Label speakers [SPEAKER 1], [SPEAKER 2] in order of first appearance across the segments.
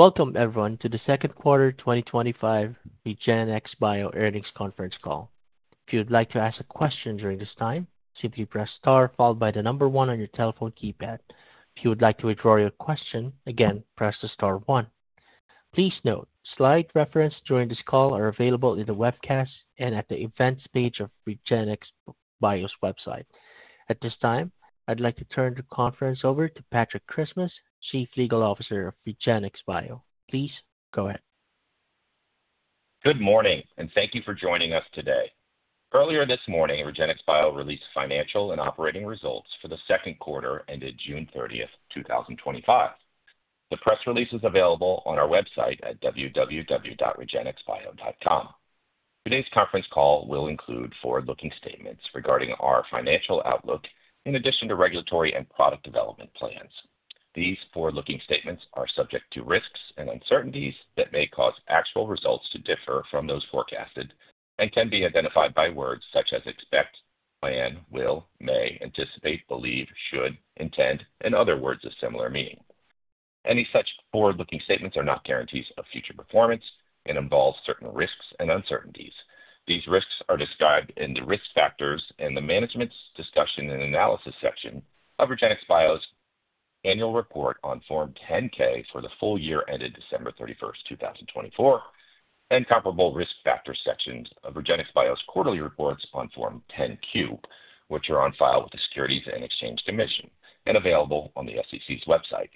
[SPEAKER 1] Welcome, everyone, to the Second Quarter 2025 REGENXBIO Earnings Conference Call. If you would like to ask a question during this time, simply press star followed by the number one on your telephone keypad. If you would like to withdraw your question, again, press the star one. Please note, slides referenced during this call are available in the webcast and at the events page of REGENXBIO's website. At this time, I'd like to turn the conference over to Patrick Christmas, Chief Legal Officer of REGENXBIO. Please go ahead.
[SPEAKER 2] Good morning and thank you for joining us today. Earlier this morning, REGENXBIO released financial and operating results for the second quarter ended June 30th, 2025. The press release is available on our website at www.regenxbio.com. Today's conference call will include forward-looking statements regarding our financial outlook in addition to regulatory and product development plans. These forward-looking statements are subject to risks and uncertainties that may cause actual results to differ from those forecasted and can be identified by words such as expect, plan, will, may, anticipate, believe, should, intend, and other words of similar meaning. Any such forward-looking statements are not guarantees of future performance and involve certain risks and uncertainties. These risks are described in the risk factors and the Management's Discussion and Analysis section of REGENXBIO's annual report on Form 10-K for the full year ended December 31, 2024, and comparable risk factors sections of REGENXBIO's quarterly reports on Form 10-Q, which are on file with the Securities and Exchange Commission and available on the SEC's website.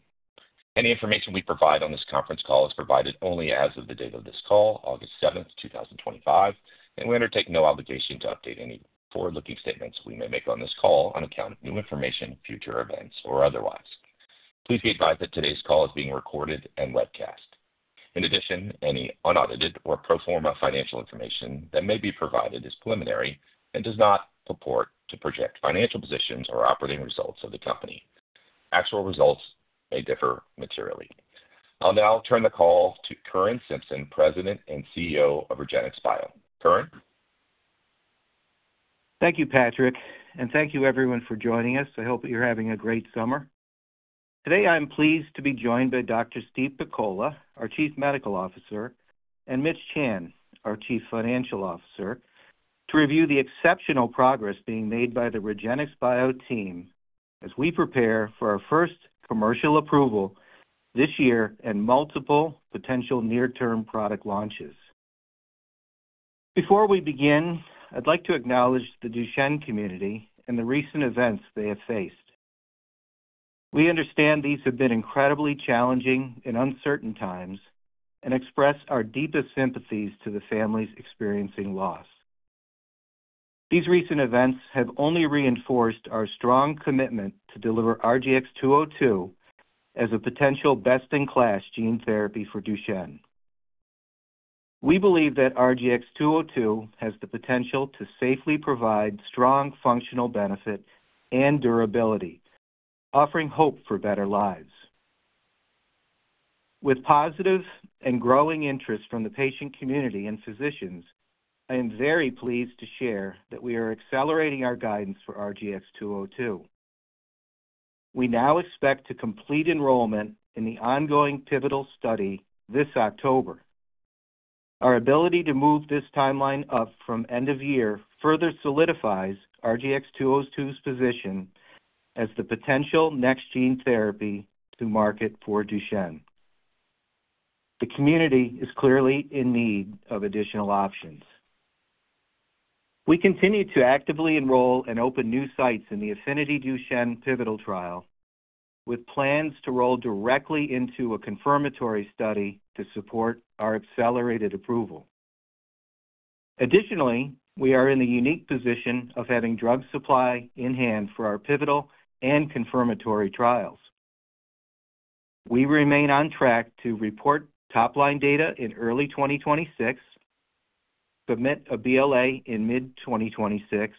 [SPEAKER 2] Any information we provide on this conference call is provided only as of the date of this call, August 7th, 2025, and we undertake no obligation to update any forward-looking statements we may make on this call on account of new information, future events, or otherwise. Please be advised that today's call is being recorded and webcast. In addition, any unaudited or pro forma financial information that may be provided is preliminary and does not purport to project financial positions or operating results of the company. Actual results may differ materially. I'll now turn the call to Curran Simpson, President and CEO of REGENXBIO. Curran?
[SPEAKER 3] Thank you, Patrick, and thank you everyone for joining us. I hope you're having a great summer. Today, I'm pleased to be joined by Dr. Steve Pakola, our Chief Medical Officer, and Mitchell Chan, our Chief Financial Officer, to review the exceptional progress being made by the REGENXBIO team as we prepare for our first commercial approval this year and multiple potential near-term product launches. Before we begin, I'd like to acknowledge the Duchenne community and the recent events they have faced. We understand these have been incredibly challenging and uncertain times and express our deepest sympathies to the families experiencing loss. These recent events have only reinforced our strong commitment to deliver RGX-202 as a potential best-in-class gene therapy for Duchenne. We believe that RGX-202 has the potential to safely provide strong functional benefit and durability, offering hope for better lives. With positive and growing interest from the patient community and physicians, I am very pleased to share that we are accelerating our guidance for RGX-202. We now expect to complete enrollment in the ongoing pivotal study this October. Our ability to move this timeline up from end of year further solidifies RGX-202's position as the potential next gene therapy to market for Duchenne. The community is clearly in need of additional options. We continue to actively enroll and open new sites in the AFFINITY DUCHENNE pivotal trial, with plans to roll directly into a confirmatory study to support our accelerated approval. Additionally, we are in the unique position of having drug supply in hand for our pivotal and confirmatory trials. We remain on track to report top-line data in early 2026, permit a BLA in mid-2026,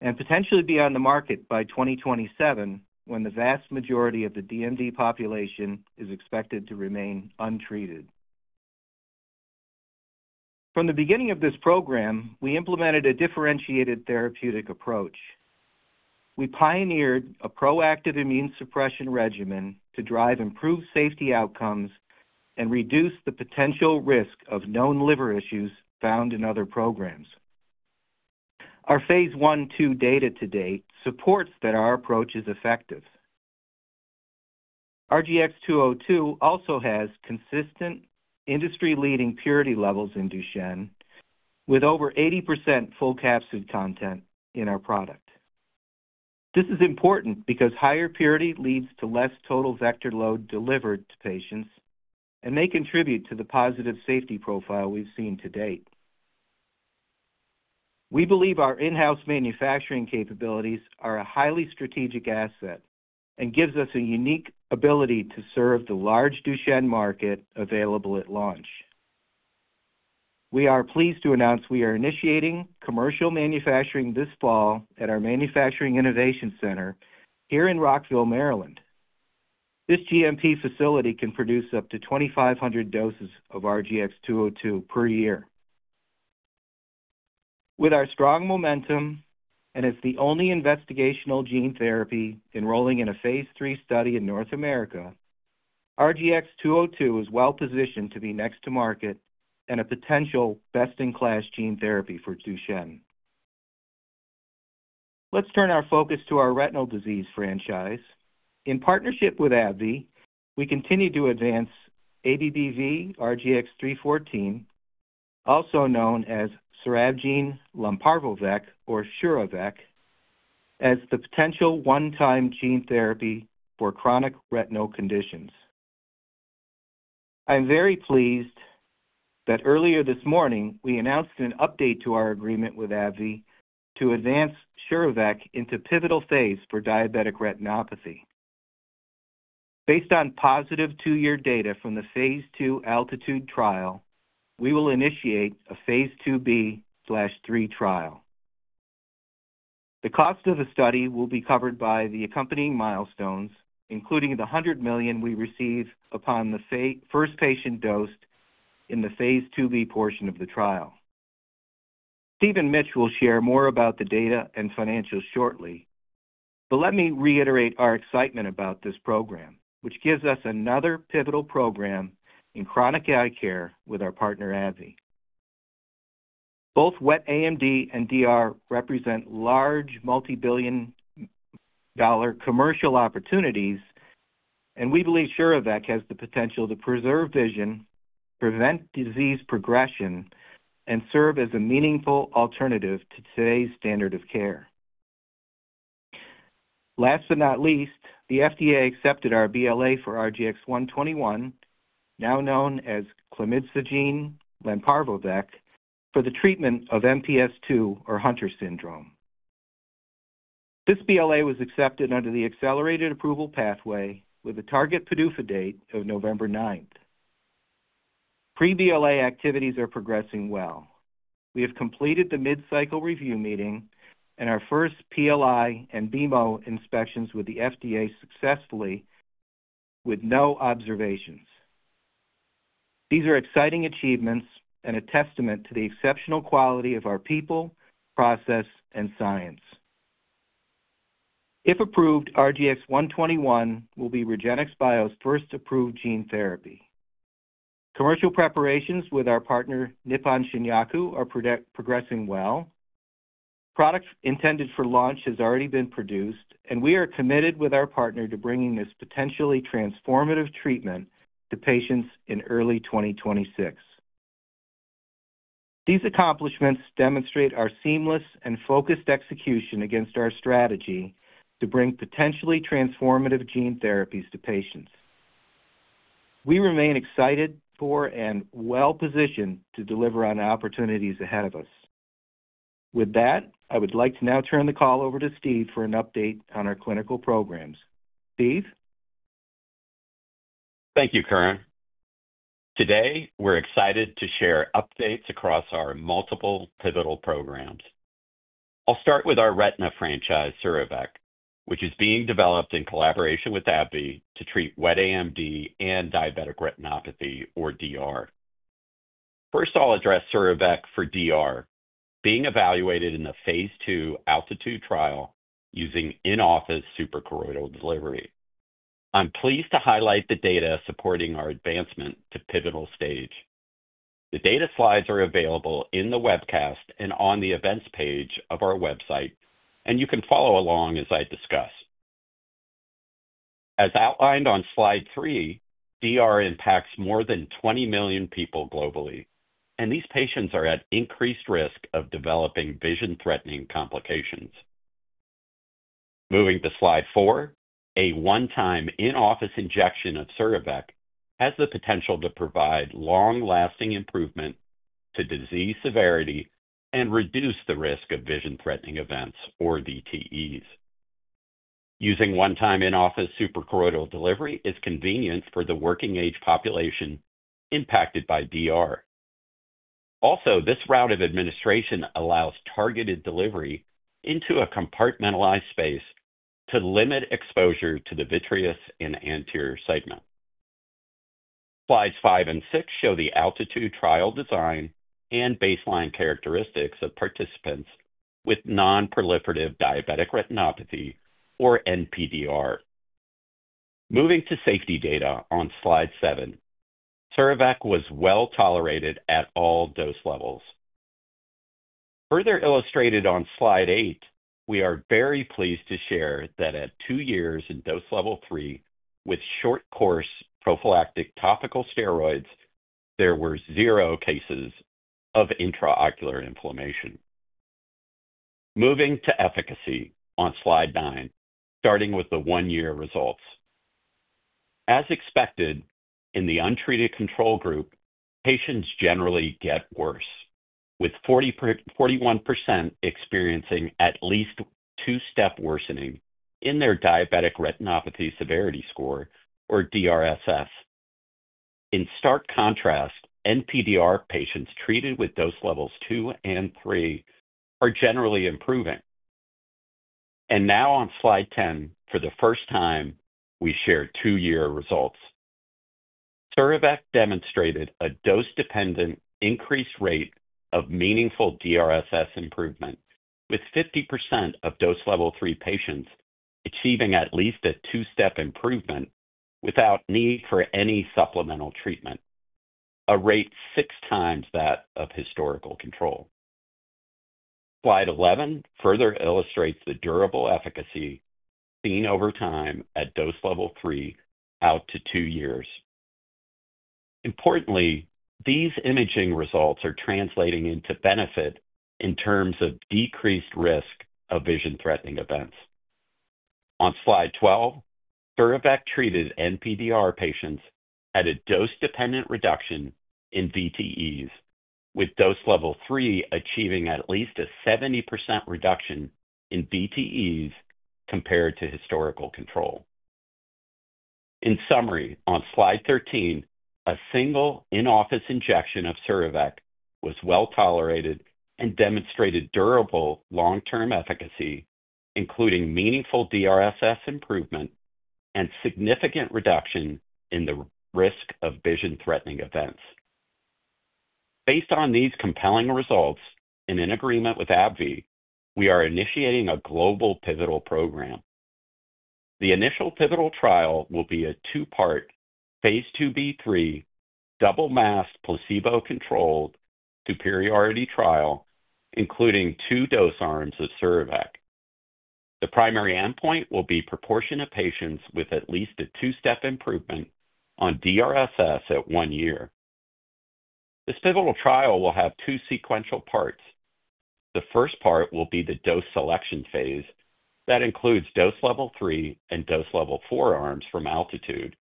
[SPEAKER 3] and potentially be on the market by 2027 when the vast majority of the DMD population is expected to remain untreated. From the beginning of this program, we implemented a differentiated therapeutic approach. We pioneered a proactive immune suppression regimen to drive improved safety outcomes and reduce the potential risk of known liver issues found in other programs. Our phase I/II data to date supports that our approach is effective. RGX-202 also has consistent industry-leading purity levels in Duchenne, with over 80% full capsid content in our product. This is important because higher purity leads to less total vector load delivered to patients and may contribute to the positive safety profile we've seen to date. We believe our in-house manufacturing capabilities are a highly strategic asset and give us a unique ability to serve the large Duchenne market available at launch. We are pleased to announce we are initiating commercial manufacturing this fall at our Manufacturing Innovation Center here in Rockville, Maryland. This GMP facility can produce up to 2,500 doses of RGX-202 per year. With our strong momentum and as the only investigational gene therapy enrolling in a phase III study in North America, RGX-202 is well positioned to be next to market and a potential best-in-class gene therapy for Duchenne. Let's turn our focus to our retinal disease franchise. In partnership with AbbVie, we continue to advance ABBV-RGX-314, also known as surabgene lomparvovec or sura-vec, as the potential one-time gene therapy for chronic retinal conditions. I'm very pleased that earlier this morning we announced an update to our agreement with AbbVie to advance sura-vec into pivotal phase for diabetic retinopathy. Based on positive two-year data from the phase II ALTITUDE trial, we will initiate a phase II-B/III trial. The cost of the study will be covered by the accompanying milestones, including the $100 million we receive upon the first patient dosed in the phase II-B portion of the trial. Steve and Mitch will share more about the data and financials shortly, but let me reiterate our excitement about this program, which gives us another pivotal program in chronic eye care with our partner AbbVie. Both wet AMD and DR represent large multibillion dollar commercial opportunities, and we believe sura-vec has the potential to preserve vision, prevent disease progression, and serve as a meaningful alternative to today's standard of care. Last but not least, the FDA accepted our BLA for RGX-121, now known as clemidsogene lanparvovec, for the treatment of MPS II or Hunter Syndrome. This BLA was accepted under the accelerated approval pathway with a target PDUFA date of November 9. Pre-BLA activities are progressing well. We have completed the mid-cycle review meeting and our first PLI and BMO inspections with the FDA successfully with no observations. These are exciting achievements and a testament to the exceptional quality of our people, process, and science. If approved, RGX-121 will be REGENXBIO's first approved gene therapy. Commercial preparations with our partner Nippon Shinyaku are progressing well. Products intended for launch have already been produced, and we are committed with our partner to bringing this potentially transformative treatment to patients in early 2026. These accomplishments demonstrate our seamless and focused execution against our strategy to bring potentially transformative gene therapies to patients. We remain excited for and well positioned to deliver on opportunities ahead of us. With that, I would like to now turn the call over to Steve for an update on our clinical programs. Steve?
[SPEAKER 4] Thank you, Curran. Today, we're excited to share updates across our multiple pivotal programs. I'll start with our retina franchise, sura-vec, which is being developed in collaboration with AbbVie to treat wet AMD and diabetic retinopathy, or DR. First, I'll address sura-vec for DR, being evaluated in the phase II ALTITUDE trial using in-office suprachoroidal delivery. I'm pleased to highlight the data supporting our advancement to pivotal stage. The data slides are available in the webcast and on the events page of our website, and you can follow along as I discuss. As outlined on slide 3, DR impacts more than 20 million people globally, and these patients are at increased risk of developing vision-threatening complications. Moving to slide 4, a one-time in-office injection of sura-vec has the potential to provide long-lasting improvement to disease severity and reduce the risk of vision-threatening events or DTEs. Using one-time in-office suprachoroidal delivery is convenient for the working-age population impacted by DR. Also, this route of administration allows targeted delivery into a compartmentalized space to limit exposure to the vitreous in the anterior segment. Slides 5 and 6 show the ALTITUDE trial design and baseline characteristics of participants with nonproliferative diabetic retinopathy or NPDR. Moving to safety data on slide 7, sura-vec was well tolerated at all dose levels. Further illustrated on slide 8, we are very pleased to share that at two years in dose level 3 with short course prophylactic topical steroids, there were zero cases of intraocular inflammation. Moving to efficacy on slide 9, starting with the one-year results. As expected, in the untreated control group, patients generally get worse, with 41% experiencing at least two-step worsening in their diabetic retinopathy severity score, or DRSS. In stark contrast, NPDR patients treated with dose levels 2 and 3 are generally improving. Now on slide 10, for the first time, we share two-year results. Sura-vec demonstrated a dose-dependent increased rate of meaningful DRSS improvement, with 50% of dose level 3 patients achieving at least a two-step improvement without need for any supplemental treatment, a rate six times that of historical control. Slide 11 further illustrates the durable efficacy seen over time at dose level 3 out to two years. Importantly, these imaging results are translating into benefit in terms of decreased risk of vision-threatening events. On slide 12, sura-vec-treated NPDR patients had a dose-dependent reduction in DTEs, with dose level three achieving at least a 70% reduction in DTEs compared to historical control. In summary, on slide 13, a single in-office injection of sura-vec was well tolerated and demonstrated durable long-term efficacy, including meaningful DRSS improvement and significant reduction in the risk of vision-threatening events. Based on these compelling results and in agreement with AbbVie, we are initiating a global pivotal program. The initial pivotal trial will be a two-part phase II-B/III double-masked placebo-controlled superiority trial, including two dose arms of sura-vec. The primary endpoint will be a proportion of patients with at least a two-step improvement on DRSS at one year. This pivotal trial will have two sequential parts. The first part will be the dose selection phase that includes dose level three and dose level four arms from ALTITUDE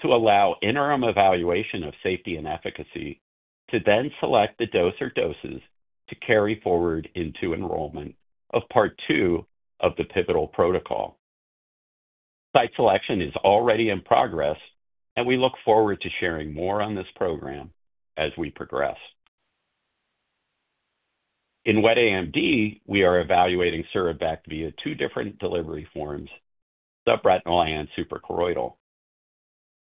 [SPEAKER 4] to allow interim evaluation of safety and efficacy to then select the dose or doses to carry forward into enrollment of part two of the pivotal protocol. Site selection is already in progress, and we look forward to sharing more on this program as we progress. In wet AMD, we are evaluating sura-vec via two different delivery forms: subretinal and suprachoroidal.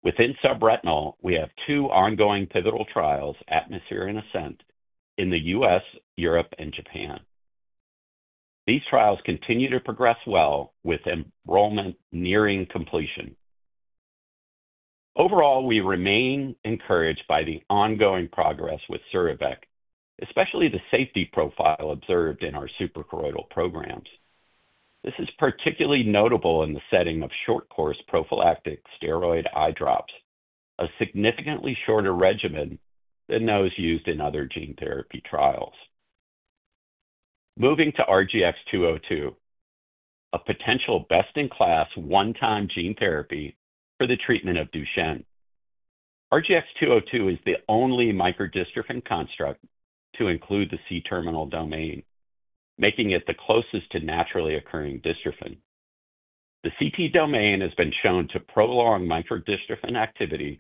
[SPEAKER 4] Within subretinal, we have two ongoing pivotal trials, ATMOSPHERE and ASCENT, in the U.S., Europe, and Japan. These trials continue to progress well with enrollment nearing completion. Overall, we remain encouraged by the ongoing progress with sura-vec, especially the safety profile observed in our suprachoroidal programs. This is particularly notable in the setting of short course prophylactic steroid eye drops, a significantly shorter regimen than those used in other gene therapy trials. Moving to RGX-202, a potential best-in-class one-time gene therapy for the treatment of Duchenne. RGX-202 is the only microdystrophin construct to include the C-terminal domain, making it the closest to naturally occurring dystrophin. The C-terminal domain has been shown to prolong microdystrophin activity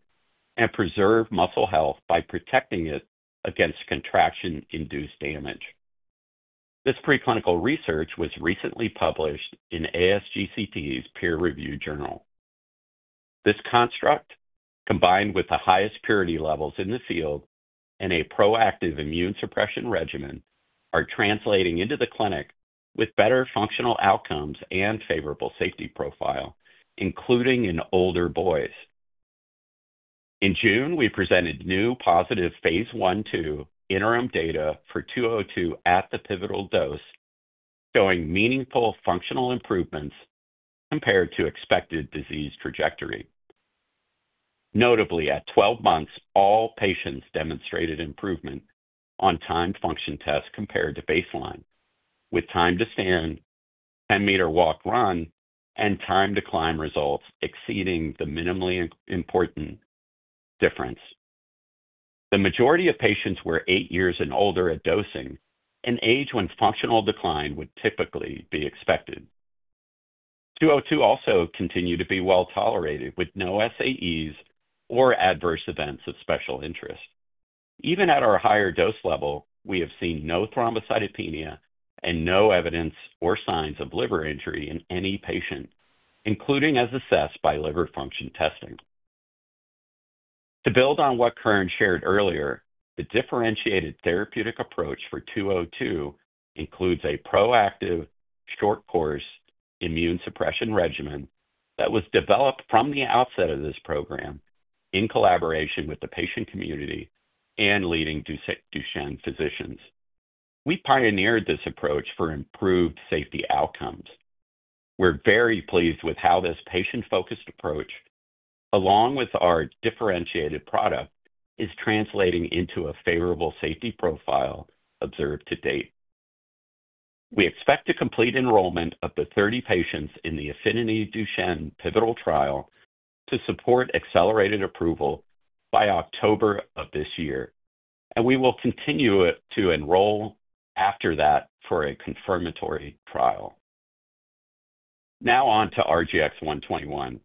[SPEAKER 4] and preserve muscle health by protecting it against contraction-induced damage. This preclinical research was recently published in ASGCT's peer-reviewed journal. This construct, combined with the highest purity levels in the field and a proactive immune suppression regimen, are translating into the clinic with better functional outcomes and favorable safety profile, including in older boys. In June, we presented new positive phase I/II interim data for RGX-202 at the pivotal dose, showing meaningful functional improvements compared to expected disease trajectory. Notably, at 12 months, all patients demonstrated improvement on time function tests compared to baseline, with time to stand, 10 m walk run, and time to climb results exceeding the minimally important difference. The majority of patients were eight years and older at dosing, an age when functional decline would typically be expected. RGX-202 also continued to be well tolerated with no SAEs or adverse events of special interest. Even at our higher dose level, we have seen no thrombocytopenia and no evidence or signs of liver injury in any patient, including as assessed by liver function testing. To build on what Curran shared earlier, the differentiated therapeutic approach for RGX-202 includes a proactive short course immune suppression regimen that was developed from the outset of this program in collaboration with the patient community and leading Duchenne physicians. We pioneered this approach for improved safety outcomes. We're very pleased with how this patient-focused approach, along with our differentiated product, is translating into a favorable safety profile observed to date. We expect to complete enrollment of the 30 patients in the AFFINITY DUCHENNE pivotal trial to support accelerated approval by October of this year, and we will continue to enroll after that for a confirmatory trial. Now on to RGX-121.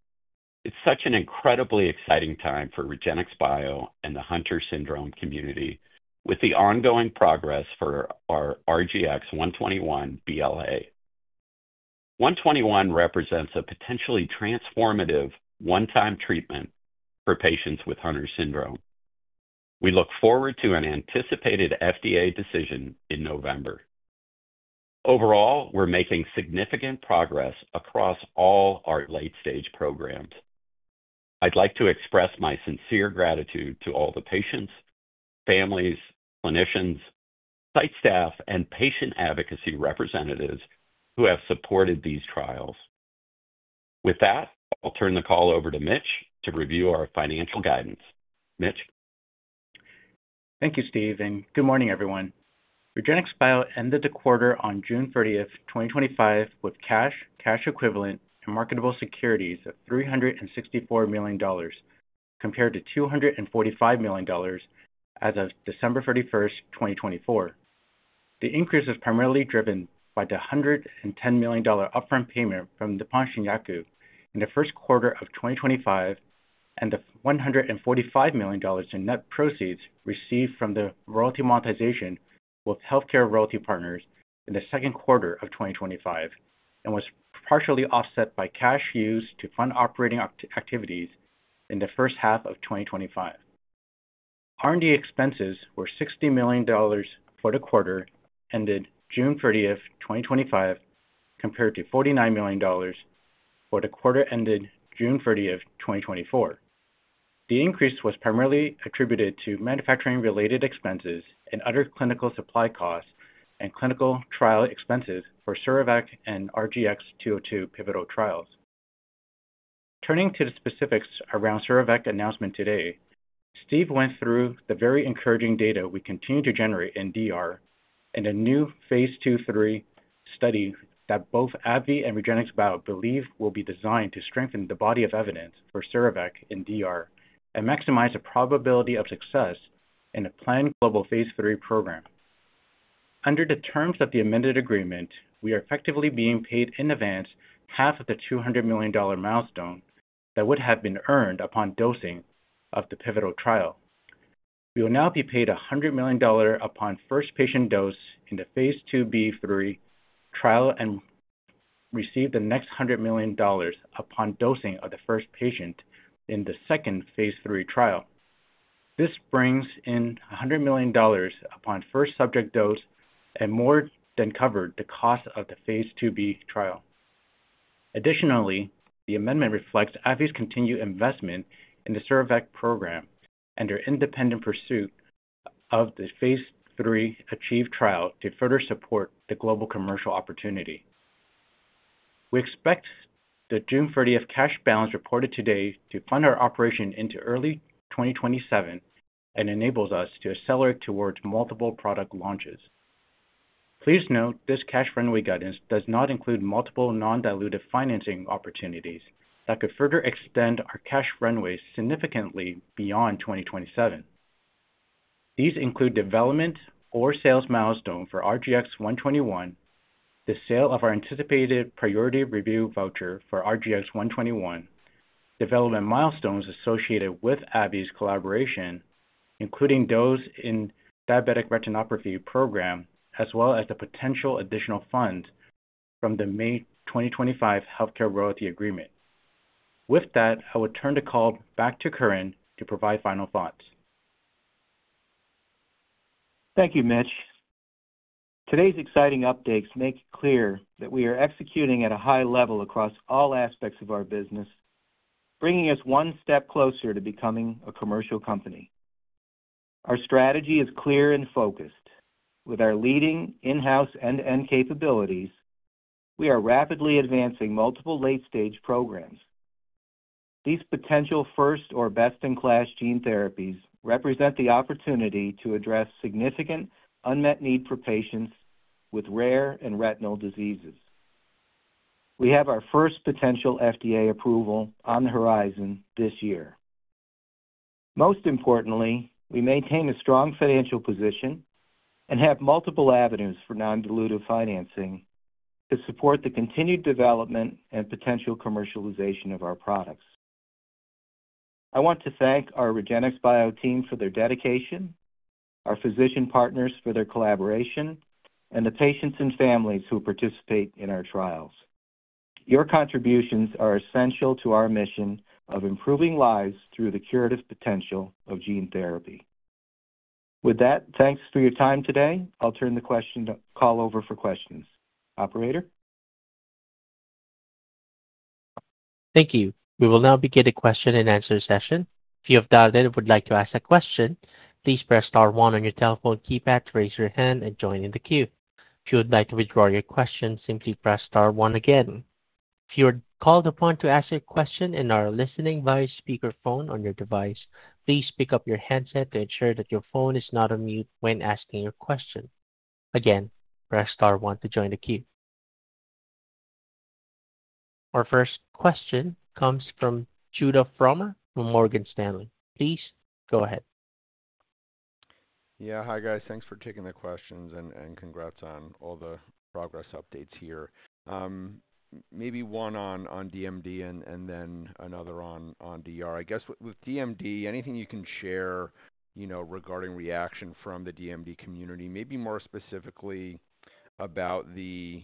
[SPEAKER 4] It's such an incredibly exciting time for REGENXBIO and the Hunter Syndrome community with the ongoing progress for our RGX-121 BLA. RGX-121 represents a potentially transformative one-time treatment for patients with Hunter Syndrome. We look forward to an anticipated FDA decision in November. Overall, we're making significant progress across all our late-stage programs. I'd like to express my sincere gratitude to all the patients, families, clinicians, site staff, and patient advocacy representatives who have supported these trials. With that, I'll turn the call over to Mitch to review our financial guidance. Mitch?
[SPEAKER 5] Thank you, Steve, and good morning, everyone. REGENXBIO ended the quarter on June 30th, 2025, with cash, cash equivalents, and marketable securities of $364 million compared to $245 million as of December 31st, 2024. The increase is primarily driven by the $110 million upfront payment from Nippon Shinyaku in the first quarter of 2025 and the $145 million in net proceeds received from the royalty monetization with Healthcare Royalty Partners in the second quarter of 2025 and was partially offset by cash used to fund operating activities in the first half of 2025. R&D expenses were $60 million for the quarter ended June 30th, 2025, compared to $49 million for the quarter ended June 30th, 2024. The increase was primarily attributed to manufacturing-related expenses and other clinical supply costs and clinical trial expenses for sura-vec and RGX-202 pivotal trials. Turning to the specifics around the sura-vec announcement today, Steve went through the very encouraging data we continue to generate in diabetic retinopathy and a new phase II/III study that both AbbVie and REGENXBIO believe will be designed to strengthen the body of evidence for sura-vec in diabetic retinopathy and maximize the probability of success in a planned global phase III program. Under the terms of the amended agreement, we are effectively being paid in advance half of the $200 million milestone that would have been earned upon dosing of the pivotal trial. We will now be paid $100 million upon first patient dose in the phase II-B/III trial and receive the next $100 million upon dosing of the first patient in the second phase III trial. This brings in $100 million upon first subject dose and more than covers the cost of the phase II-B trial. Additionally, the amendment reflects AbbVie's continued investment in the sura-vec program and their independent pursuit of the phase III ACHIEVE trial to further support the global commercial opportunity. We expect the June 30th cash balance reported today to fund our operation into early 2027 and enables us to accelerate towards multiple product launches. Please note this cash runway guidance does not include multiple non-dilutive financing opportunities that could further extend our cash runway significantly beyond 2027. These include development or sales milestones for RGX-121, the sale of our anticipated priority review voucher for RGX-121, development milestones associated with AbbVie's collaboration, including those in the diabetic retinopathy program, as well as the potential additional funds from the May 2025 Healthcare Royalty agreement. With that, I will turn the call back to Curran to provide final thoughts.
[SPEAKER 3] Thank you, Mitch. Today's exciting updates make clear that we are executing at a high level across all aspects of our business, bringing us one step closer to becoming a commercial company. Our strategy is clear and focused. With our leading in-house end-to-end capabilities, we are rapidly advancing multiple late-stage programs. These potential first or best-in-class gene therapies represent the opportunity to address significant unmet needs for patients with rare and retinal diseases. We have our first potential FDA approval on the horizon this year. Most importantly, we maintain a strong financial position and have multiple avenues for non-dilutive financing to support the continued development and potential commercialization of our products. I want to thank our REGENXBIO team for their dedication, our physician partners for their collaboration, and the patients and families who participate in our trials. Your contributions are essential to our mission of improving lives through the curative potential of gene therapy. With that, thanks for your time today. I'll turn the call over for questions. Operator?
[SPEAKER 1] Thank you. We will now begin the question and answer session. If you have dialed in and would like to ask a question, please press star one on your telephone keypad to raise your hand and join in the queue. If you would like to withdraw your question, simply press star one again. If you are called upon to ask a question and are listening via speaker phone on your device, please pick up your headset to ensure that your phone is not on mute when asking your question. Again, press star one to join the queue. Our first question comes from Judah Frommer from Morgan Stanley. Please go ahead.
[SPEAKER 6] Yeah, hi guys, thanks for taking the questions and congrats on all the progress updates here. Maybe one on DMD and then another on DR. I guess with DMD, anything you can share, you know, regarding reaction from the DMD community, maybe more specifically about the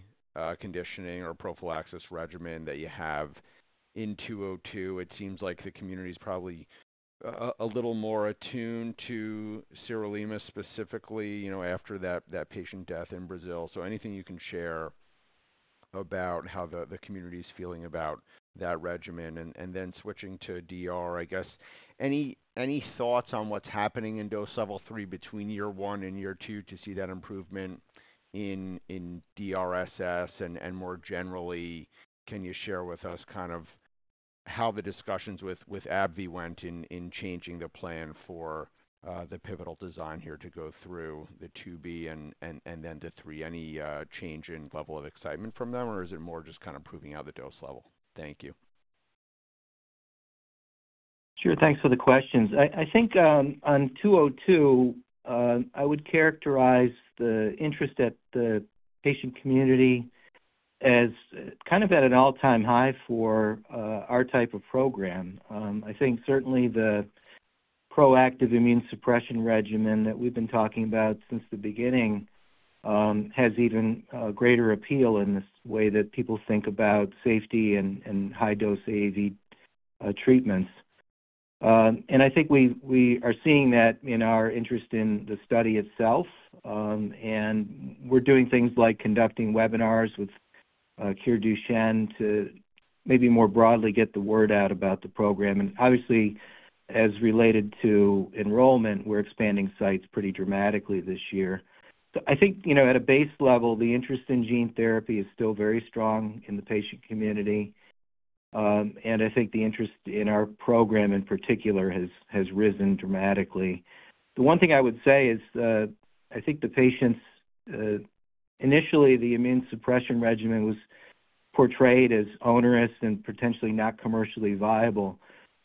[SPEAKER 6] conditioning or prophylaxis regimen that you have in RGX-202. It seems like the community is probably a little more attuned to Sarepta specifically, you know, after that patient death in Brazil. Anything you can share about how the community is feeling about that regimen and then switching to DR, I guess. Any thoughts on what's happening in dose level three between year one and year two to see that improvement in DRSS and more generally, can you share with us kind of how the discussions with AbbVie went in changing the plan for the pivotal design here to go through the phase II-B and then the phase III? Any change in level of excitement from them, or is it more just kind of proving out the dose level? Thank you.
[SPEAKER 3] Sure, thanks for the questions. I think on RGX-202, I would characterize the interest at the patient community as kind of at an all-time high for our type of program. I think certainly the proactive immune suppression regimen that we've been talking about since the beginning has even greater appeal in this way that people think about safety and high dose AAV treatments. I think we are seeing that in our interest in the study itself. We're doing things like conducting webinars with CureDuchenne to maybe more broadly get the word out about the program. Obviously, as related to enrollment, we're expanding sites pretty dramatically this year. I think, you know, at a base level, the interest in gene therapy is still very strong in the patient community. I think the interest in our program in particular has risen dramatically. The one thing I would say is that I think the patients, initially, the immune suppression regimen was portrayed as onerous and potentially not commercially viable.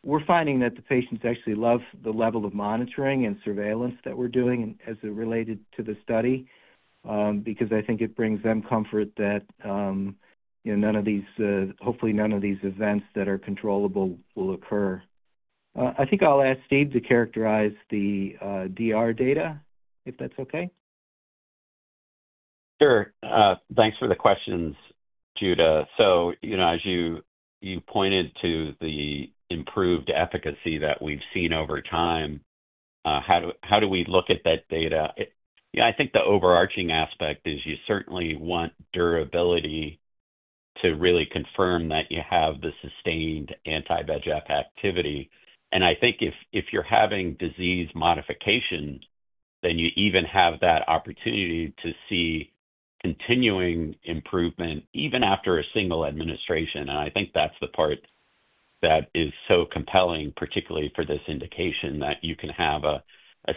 [SPEAKER 3] We're finding that the patients actually love the level of monitoring and surveillance that we're doing as it related to the study because I think it brings them comfort that, you know, none of these, hopefully, none of these events that are controllable will occur. I think I'll ask Steve to characterize the DR data if that's okay.
[SPEAKER 4] Sure. Thanks for the questions, Judah. As you pointed to the improved efficacy that we've seen over time, how do we look at that data? I think the overarching aspect is you certainly want durability to really confirm that you have the sustained anti-VEGF activity. I think if you're having disease modification, then you even have that opportunity to see continuing improvement even after a single administration. I think that's the part that is so compelling, particularly for this indication that you can have a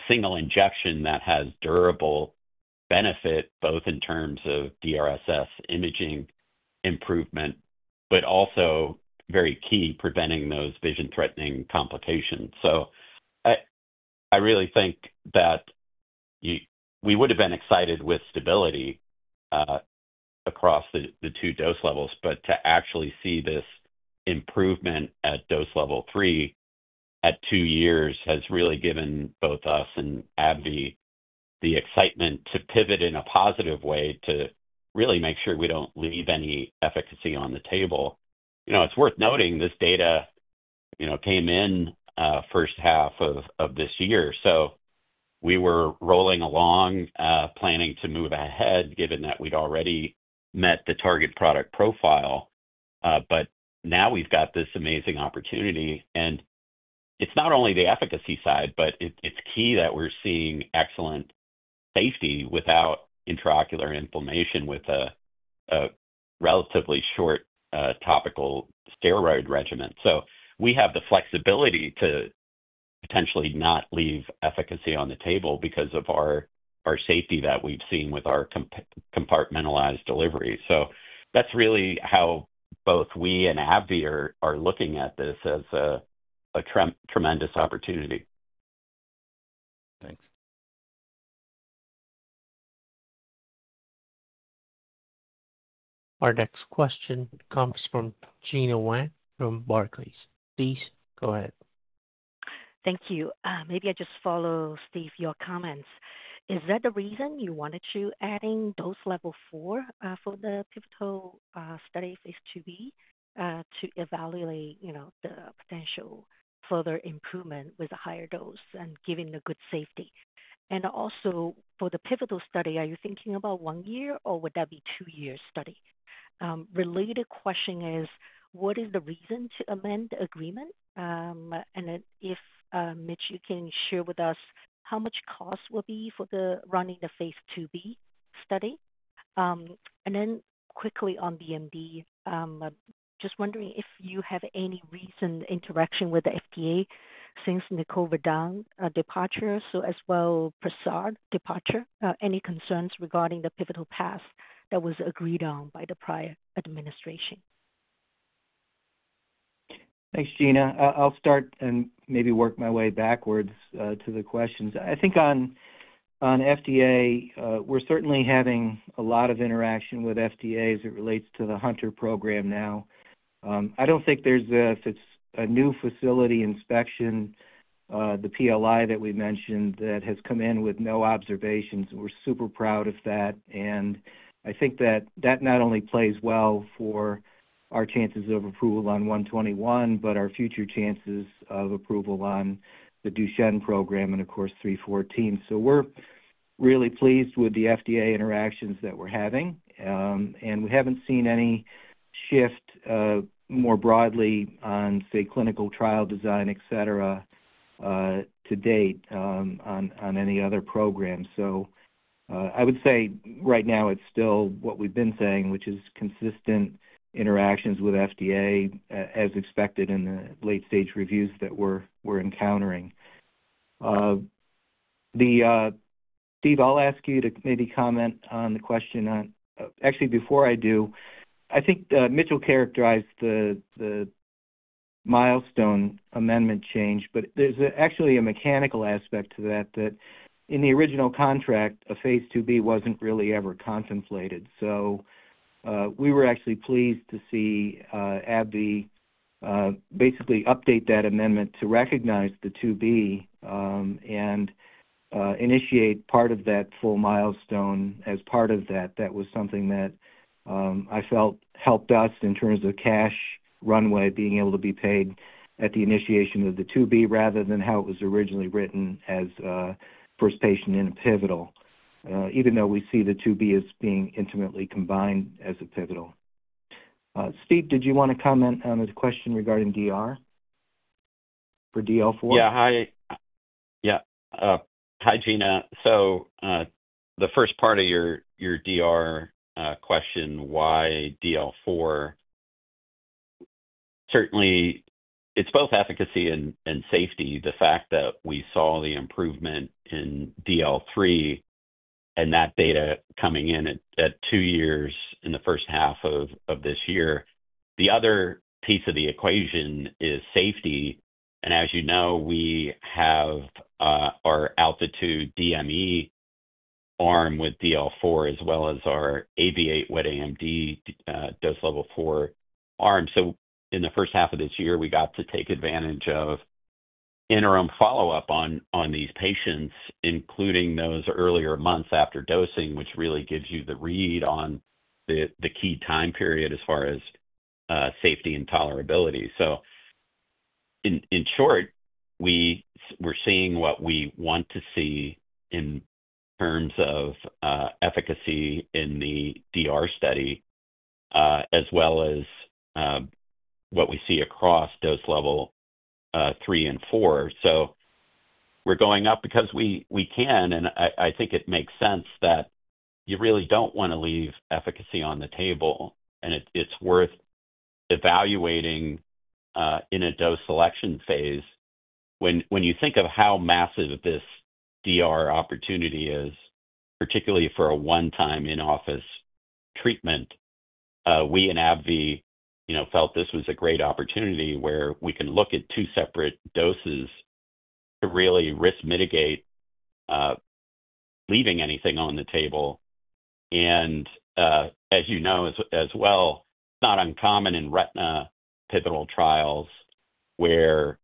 [SPEAKER 4] single injection that has durable benefit both in terms of DRSS imaging improvement, but also very key preventing those vision-threatening complications. I really think that we would have been excited with stability across the two dose levels, but to actually see this improvement at dose level three at two years has really given both us and AbbVie the excitement to pivot in a positive way to really make sure we don't leave any efficacy on the table. It's worth noting this data came in the first half of this year. We were rolling along, planning to move ahead given that we'd already met the target product profile. Now we've got this amazing opportunity. It's not only the efficacy side, but it's key that we're seeing excellent safety without intraocular inflammation with a relatively short topical steroid regimen. We have the flexibility to potentially not leave efficacy on the table because of our safety that we've seen with our compartmentalized delivery. That's really how both we and AbbVie are looking at this as a tremendous opportunity.
[SPEAKER 6] Thanks.
[SPEAKER 1] Our next question comes from Gina Wang from Barclays. Please go ahead.
[SPEAKER 7] Thank you. Maybe I just follow, Steve, your comments. Is that the reason you wanted to add in dose level four for the pivotal study phase II-B to evaluate, you know, the potential further improvement with a higher dose and given the good safety? Also, for the pivotal study, are you thinking about one year or would that be two years study? Related question is, what is the reason to amend the agreement? If, Mitch, you can share with us how much cost will be for running the phase II-B study? Quickly on DMD, just wondering if you have any recent interaction with the FDA since Nicole Verdun's departure, as well as Prasad's departure? Any concerns regarding the pivotal path that was agreed on by the prior administration?
[SPEAKER 3] Thanks, Gina. I'll start and maybe work my way backwards to the questions. I think on FDA, we're certainly having a lot of interaction with FDA as it relates to the Hunter program now. I don't think there's a new facility inspection, the PLI that we mentioned that has come in with no observations. We're super proud of that. I think that not only plays well for our chances of approval on RGX-121, but our future chances of approval on the Duchenne program and, of course, ABBV-RGX-314. We're really pleased with the FDA interactions that we're having, and we haven't seen any shift, more broadly on, say, clinical trial design, et cetera, to date, on any other programs. I would say right now it's still what we've been saying, which is consistent interactions with FDA as expected in the late-stage reviews that we're encountering. Steve, I'll ask you to maybe comment on the question on, actually, before I do, I think Mitch characterized the milestone amendment change, but there's actually a mechanical aspect to that that in the original contract, a phase II-B wasn't really ever contemplated. We were actually pleased to see AbbVie basically update that amendment to recognize the phase II-B and initiate part of that full milestone as part of that. That was something that I felt helped us in terms of cash runway being able to be paid at the initiation of the phase II-B rather than how it was originally written as first patient in a pivotal, even though we see the phase II-B as being intimately combined as a pivotal. Steve, did you want to comment on the question regarding DR for DL4?
[SPEAKER 4] Yeah, hi. Hi, Gina. The first part of your DR question, why DL4? Certainly, it's both efficacy and safety. The fact that we saw the improvement in DL3 and that data coming in at two years in the first half of this year. The other piece of the equation is safety. As you know, we have our ALTITUDE DME arm with DL4 as well as our AV8 wet AMD dose level four arm. In the first half of this year, we got to take advantage of interim follow-up on these patients, including those earlier months after dosing, which really gives you the read on the key time period as far as safety and tolerability. In short, we're seeing what we want to see in terms of efficacy in the DR study, as well as what we see across dose level three and four. We're going up because we can, and I think it makes sense that you really don't want to leave efficacy on the table, and it's worth evaluating in a dose selection phase. When you think of how massive this DR opportunity is, particularly for a one-time in-office treatment, we in AbbVie felt this was a great opportunity where we can look at two separate doses to really risk mitigate leaving anything on the table. As you know as well, it's not uncommon in retina pivotal trials where,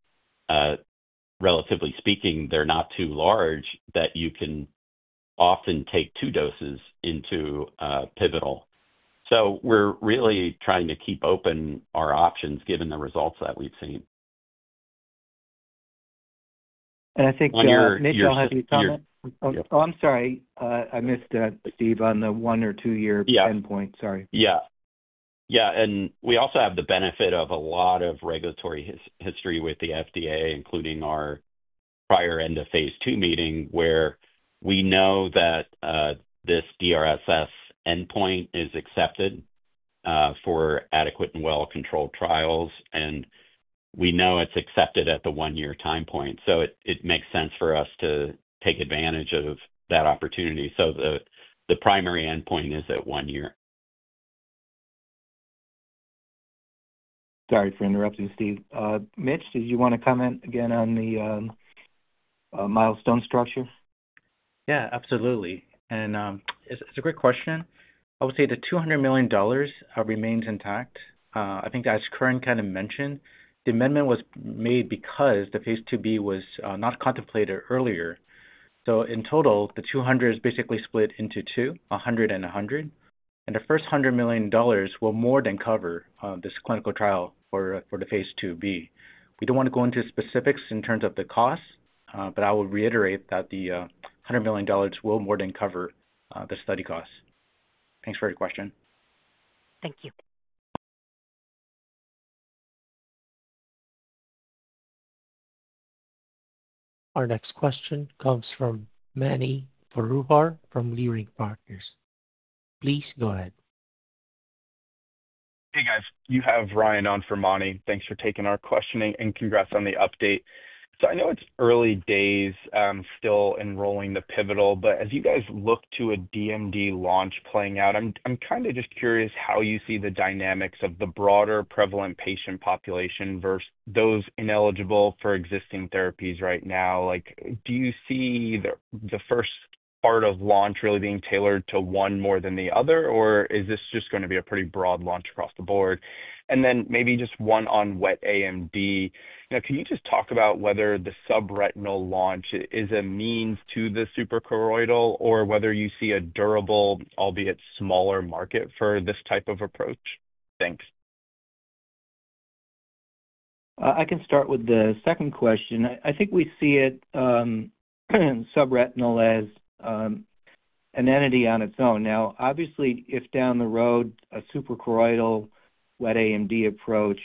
[SPEAKER 4] relatively speaking, they're not too large that you can often take two doses into a pivotal. We're really trying to keep open our options given the results that we've seen.
[SPEAKER 3] I think.
[SPEAKER 4] On your.
[SPEAKER 3] Mitch, you have any comment? I'm sorry. I missed that, Steve, on the one or two-year endpoint. Sorry.
[SPEAKER 4] Yeah. We also have the benefit of a lot of regulatory history with the FDA, including our prior end of phase II meeting where we know that this DRSS endpoint is accepted for adequate and well-controlled trials, and we know it's accepted at the one-year time point. It makes sense for us to take advantage of that opportunity. The primary endpoint is at one year.
[SPEAKER 3] Sorry for interrupting, Steve. Mitch, did you want to comment again on the milestone structure?
[SPEAKER 5] Absolutely. It's a great question. I would say the $200 million remains intact. I think as Curran kind of mentioned, the amendment was made because the phase II-B was not contemplated earlier. In total, the $200 million is basically split into two, $100 million and $100 million. The first $100 million will more than cover this clinical trial for the phase II-B. We don't want to go into specifics in terms of the cost, but I will reiterate that the $100 million will more than cover the study cost. Thanks for your question.
[SPEAKER 7] Thank you.
[SPEAKER 1] Our next question comes from Mani Foroohar from Leerink Partners. Please go ahead.
[SPEAKER 8] Hey guys, you have Ryan on for Mani. Thanks for taking our questioning and congrats on the update. I know it's early days still enrolling the pivotal, but as you guys look to a DMD launch playing out, I'm kind of just curious how you see the dynamics of the broader prevalent patient population versus those ineligible for existing therapies right now. Do you see the first part of launch really being tailored to one more than the other, or is this just going to be a pretty broad launch across the board? Maybe just one on wet AMD. Can you just talk about whether the subretinal launch is a means to the suprachoroidal or whether you see a durable, albeit smaller market for this type of approach? Thanks.
[SPEAKER 3] I can start with the second question. I think we see it subretinal as an entity on its own. Now, obviously, if down the road a suprachoroidal wet AMD approach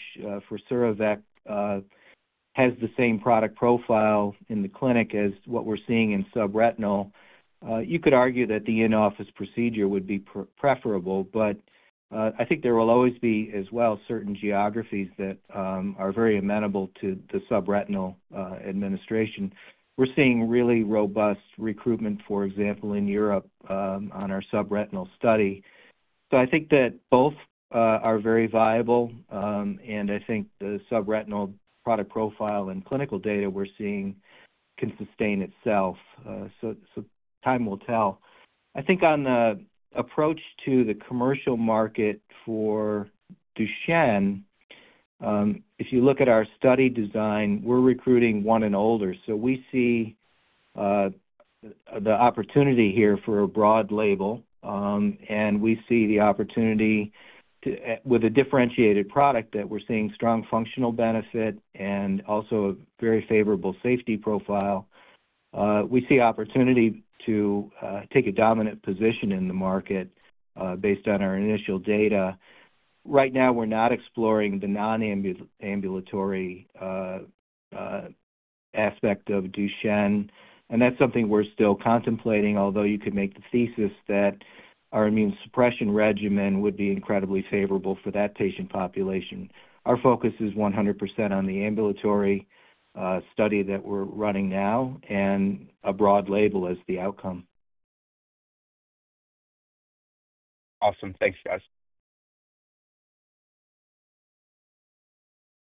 [SPEAKER 3] for sura-vec has the same product profile in the clinic as what we're seeing in subretinal, you could argue that the in-office procedure would be preferable. I think there will always be, as well, certain geographies that are very amenable to the subretinal administration. We're seeing really robust recruitment, for example, in Europe on our subretinal study. I think that both are very viable, and I think the subretinal product profile and clinical data we're seeing can sustain itself. Time will tell. I think on the approach to the commercial market for Duchenne, if you look at our study design, we're recruiting one and older. We see the opportunity here for a broad label, and we see the opportunity with a differentiated product that we're seeing strong functional benefit and also a very favorable safety profile. We see opportunity to take a dominant position in the market based on our initial data. Right now, we're not exploring the non-ambulatory aspect of Duchenne, and that's something we're still contemplating, although you could make the thesis that our immune suppression regimen would be incredibly favorable for that patient population. Our focus is 100% on the ambulatory study that we're running now and a broad label as the outcome.
[SPEAKER 8] Awesome. Thanks, guys.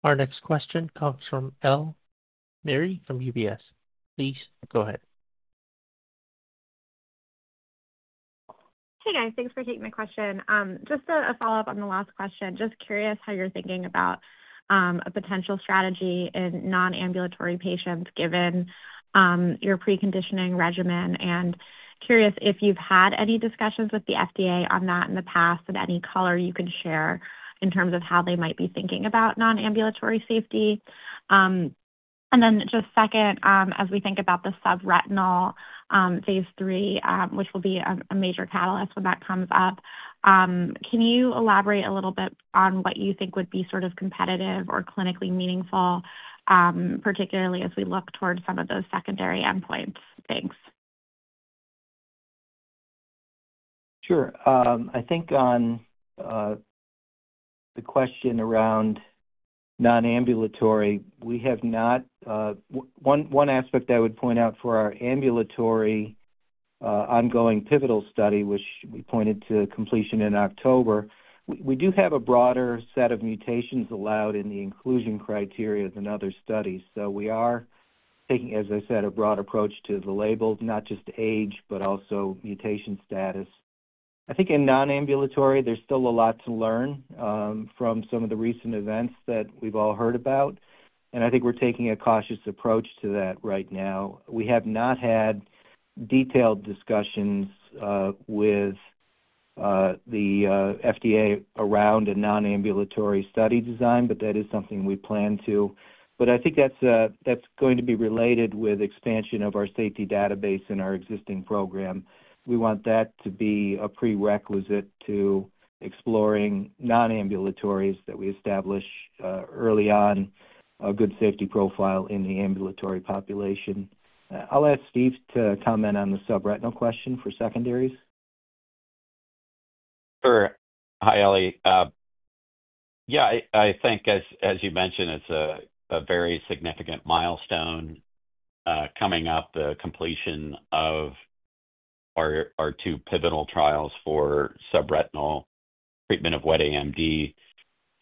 [SPEAKER 1] Our next question comes from Ellie Merle from UBS. Please go ahead.
[SPEAKER 9] Hey guys, thanks for taking the question. Just a follow-up on the last question. Just curious how you're thinking about a potential strategy in non-ambulatory patients given your preconditioning regimen. Curious if you've had any discussions with the FDA on that in the past and any color you can share in terms of how they might be thinking about non-ambulatory safety. Second, as we think about the subretinal phase III, which will be a major catalyst when that comes up, can you elaborate a little bit on what you think would be sort of competitive or clinically meaningful, particularly as we look towards some of those secondary endpoints? Thanks.
[SPEAKER 3] Sure. I think on the question around non-ambulatory, we have not, one aspect I would point out for our ambulatory ongoing pivotal study, which we pointed to completion in October. We do have a broader set of mutations allowed in the inclusion criteria than other studies. We are taking, as I said, a broad approach to the label, not just age, but also mutation status. I think in non-ambulatory, there's still a lot to learn from some of the recent events that we've all heard about. I think we're taking a cautious approach to that right now. We have not had detailed discussions with the FDA around a non-ambulatory study design, that is something we plan to. I think that's going to be related with the expansion of our safety database in our existing program. We want that to be a prerequisite to exploring non-ambulatories, that we establish early on a good safety profile in the ambulatory population. I'll ask Steve to comment on the subretinal question for secondaries.
[SPEAKER 4] Sure. Hi, Ellie. Yeah, I think as you mentioned, it's a very significant milestone coming up, the completion of our two pivotal trials for subretinal treatment of wet AMD.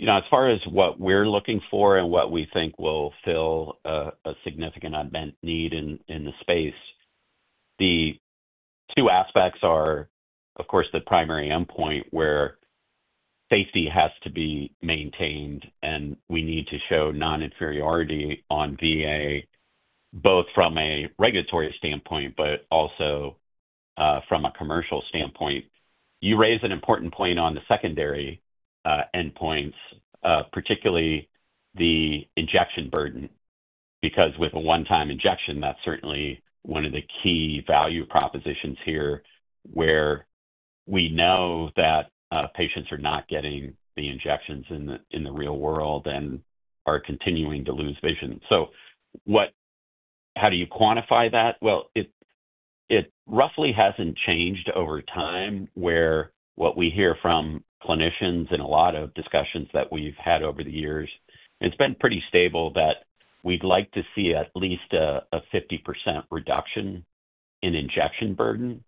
[SPEAKER 4] As far as what we're looking for and what we think will fill a significant unmet need in the space, the two aspects are, of course, the primary endpoint where safety has to be maintained, and we need to show non-inferiority on VA, both from a regulatory standpoint, but also from a commercial standpoint. You raise an important point on the secondary endpoints, particularly the injection burden, because with a one-time injection, that's certainly one of the key value propositions here where we know that patients are not getting the injections in the real world and are continuing to lose vision. How do you quantify that? It roughly hasn't changed over time where what we hear from clinicians and a lot of discussions that we've had over the years, it's been pretty stable that we'd like to see at least a 50% reduction in injection burden.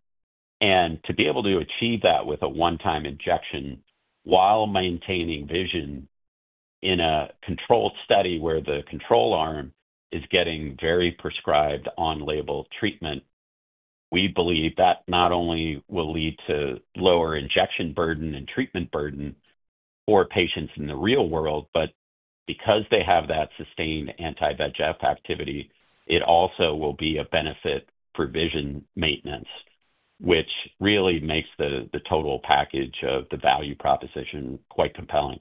[SPEAKER 4] To be able to achieve that with a one-time injection while maintaining vision in a controlled study where the control arm is getting very prescribed on-label treatment, we believe that not only will lead to lower injection burden and treatment burden for patients in the real world, but because they have that sustained anti-VEGF activity, it also will be a benefit for vision maintenance, which really makes the total package of the value proposition quite compelling.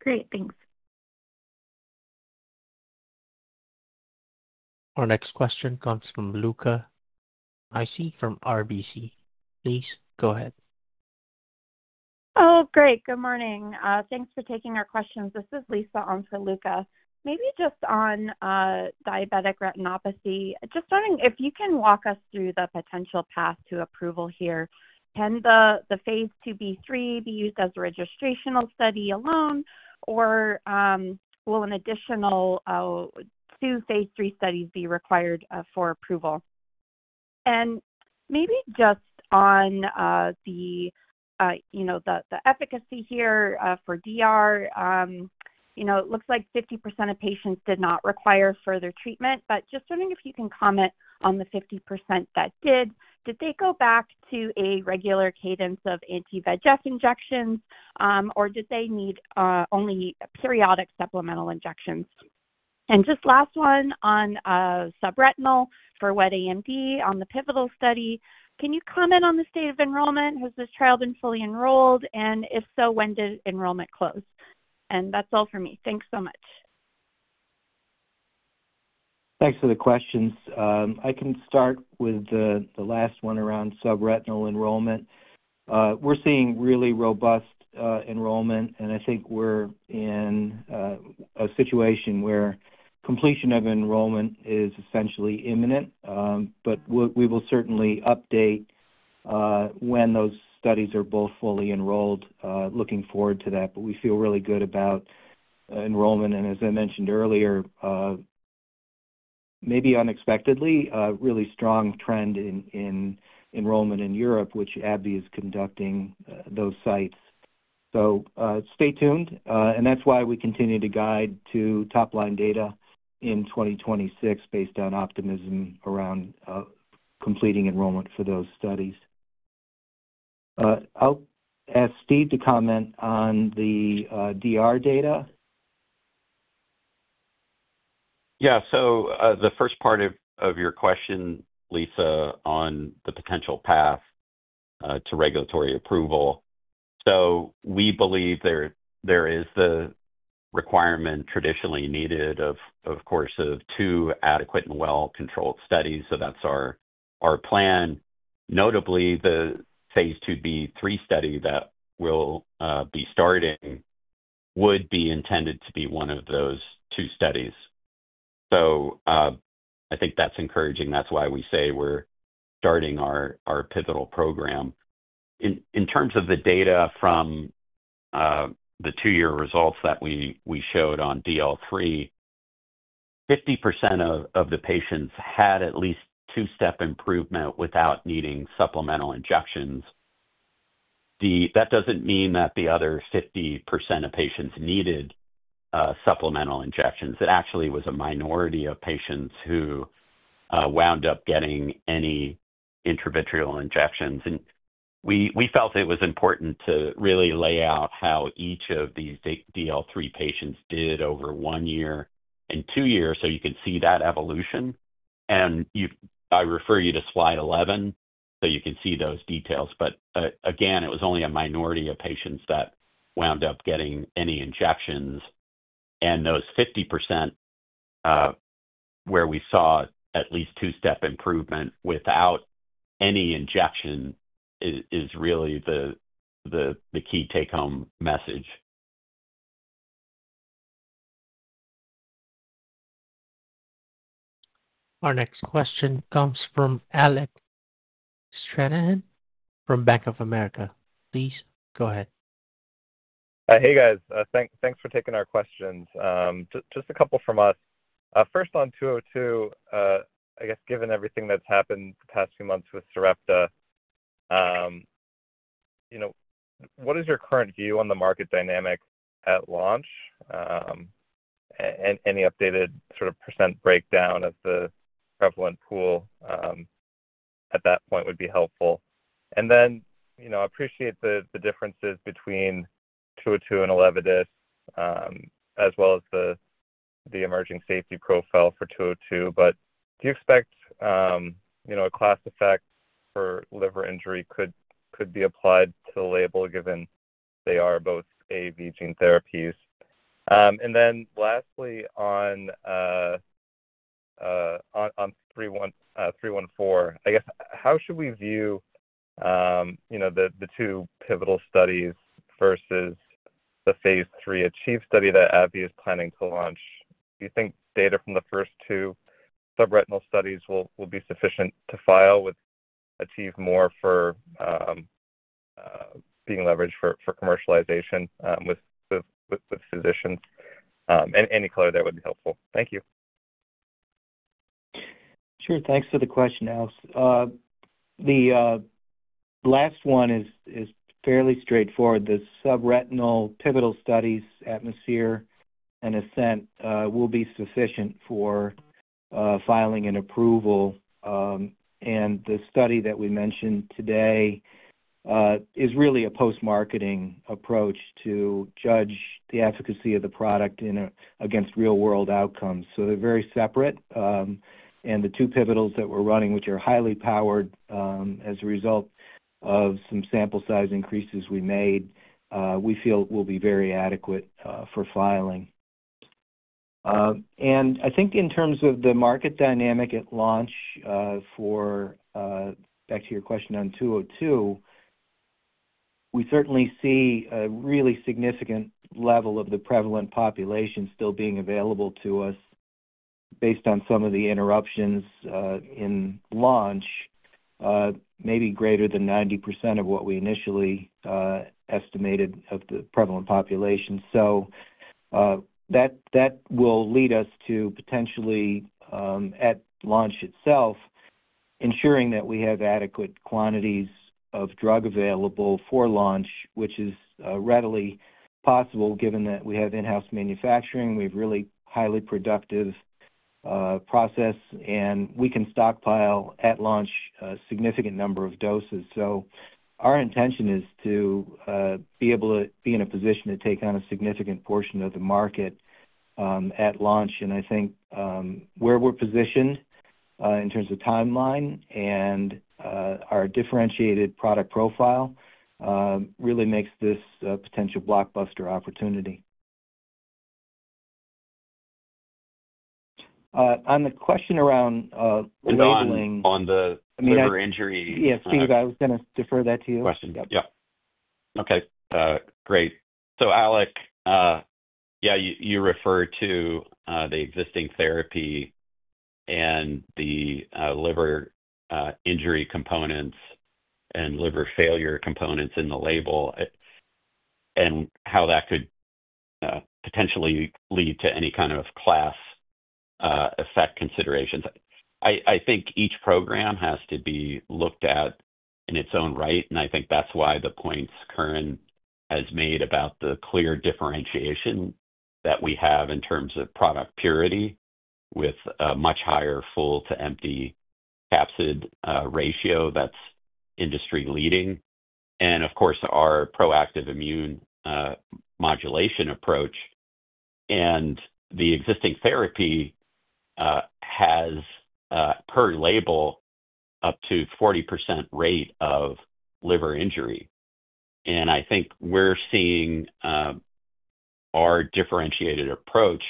[SPEAKER 9] Great. Thanks.
[SPEAKER 1] Our next question comes from Luca Issi from RBC. Please go ahead.
[SPEAKER 10] Oh, great. Good morning. Thanks for taking our questions. This is Lisa on for Luca. Maybe just on diabetic retinopathy. Just wondering if you can walk us through the potential path to approval here. Can the phase II-B/III be used as a registrational study alone, or will an additional two phase III studies be required for approval? Maybe just on the efficacy here for DR, it looks like 50% of patients did not require further treatment, but just wondering if you can comment on the 50% that did. Did they go back to a regular cadence of anti-VEGF injections, or did they need only periodic supplemental injections? Just last one on subretinal for wet AMD on the pivotal study. Can you comment on the state of enrollment? Has this trial been fully enrolled? If so, when did enrollment close? That's all for me. Thanks so much.
[SPEAKER 3] Thanks for the questions. I can start with the last one around subretinal enrollment. We're seeing really robust enrollment, and I think we're in a situation where completion of enrollment is essentially imminent. We will certainly update when those studies are both fully enrolled. Looking forward to that. We feel really good about enrollment. As I mentioned earlier, maybe unexpectedly, a really strong trend in enrollment in Europe, which AbbVie is conducting those sites. Stay tuned. That is why we continue to guide to top-line data in 2026 based on optimism around completing enrollment for those studies. I'll ask Steve to comment on the DR data.
[SPEAKER 4] Yeah. The first part of your question, Lisa, on the potential path to regulatory approval. We believe there is the requirement traditionally needed, of course, of two adequate and well-controlled studies. That's our plan. Notably, the phase II-B/III study that will be starting would be intended to be one of those two studies. I think that's encouraging. That's why we say we're starting our pivotal program. In terms of the data from the two-year results that we showed on DL3, 50% of the patients had at least two-step improvement without needing supplemental injections. That doesn't mean that the other 50% of patients needed supplemental injections. It actually was a minority of patients who wound up getting any intravitreal injections. We felt it was important to really lay out how each of these DL3 patients did over one year and two years, so you can see that evolution. I refer you to slide 11, so you can see those details. Again, it was only a minority of patients that wound up getting any injections. Those 50% where we saw at least two-step improvement without any injection is really the key take-home message.
[SPEAKER 1] Our next question comes from Alec Stranahan from Bank of America. Please go ahead.
[SPEAKER 11] Hey guys, thanks for taking our questions. Just a couple from us. First on RGX-202, I guess given everything that's happened the past few months with Sarepta, what is your current view on the market dynamic at launch? Any updated sort of percent breakdown of the prevalent pool at that point would be helpful. I appreciate the differences between RGX-202 and Elevidys, as well as the emerging safety profile for RGX-202. Do you expect a class effect for liver injury could be applied to the label given they are both AAV gene therapies? Lastly, on ABBV-RGX-314, how should we view the two pivotal studies versus the phase III ACHIEVE study that AbbVie is planning to launch? Do you think data from the first two subretinal studies will be sufficient to file, with ACHIEVE more for being leveraged for commercialization with physicians? Any color there would be helpful. Thank you.
[SPEAKER 3] Sure. Thanks for the question, Alec. The last one is fairly straightforward. The subretinal pivotal studies, ATMOSPHERE and ASCENT, will be sufficient for filing an approval. The study that we mentioned today is really a post-marketing approach to judge the efficacy of the product against real-world outcomes. They are very separate. The two pivotals that we're running, which are highly powered as a result of some sample size increases we made, we feel will be very adequate for filing. I think in terms of the market dynamic at launch, for back to your question on RGX-202, we certainly see a really significant level of the prevalent population still being available to us based on some of the interruptions in launch, maybe greater than 90% of what we initially estimated of the prevalent population. That will lead us to potentially at launch itself, ensuring that we have adequate quantities of drug available for launch, which is readily possible given that we have in-house manufacturing. We have a really highly productive process, and we can stockpile at launch a significant number of doses. Our intention is to be able to be in a position to take on a significant portion of the market at launch. I think where we're positioned in terms of timeline and our differentiated product profile really makes this a potential blockbuster opportunity. On the question around enabling.
[SPEAKER 4] On the liver injury.
[SPEAKER 3] Yeah, Steve, I was going to defer that to you.
[SPEAKER 4] Question. Yeah. Okay. Great. Alec, you refer to the existing therapy and the liver injury components and liver failure components in the label and how that could potentially lead to any kind of class effect considerations. I think each program has to be looked at in its own right, and I think that's why the points Curran has made about the clear differentiation that we have in terms of product purity with a much higher full-to-empty capsid ratio that's industry-leading. Of course, our proactive immune modulation approach and the existing therapy has per label up to a 40% rate of liver injury. I think we're seeing our differentiated approach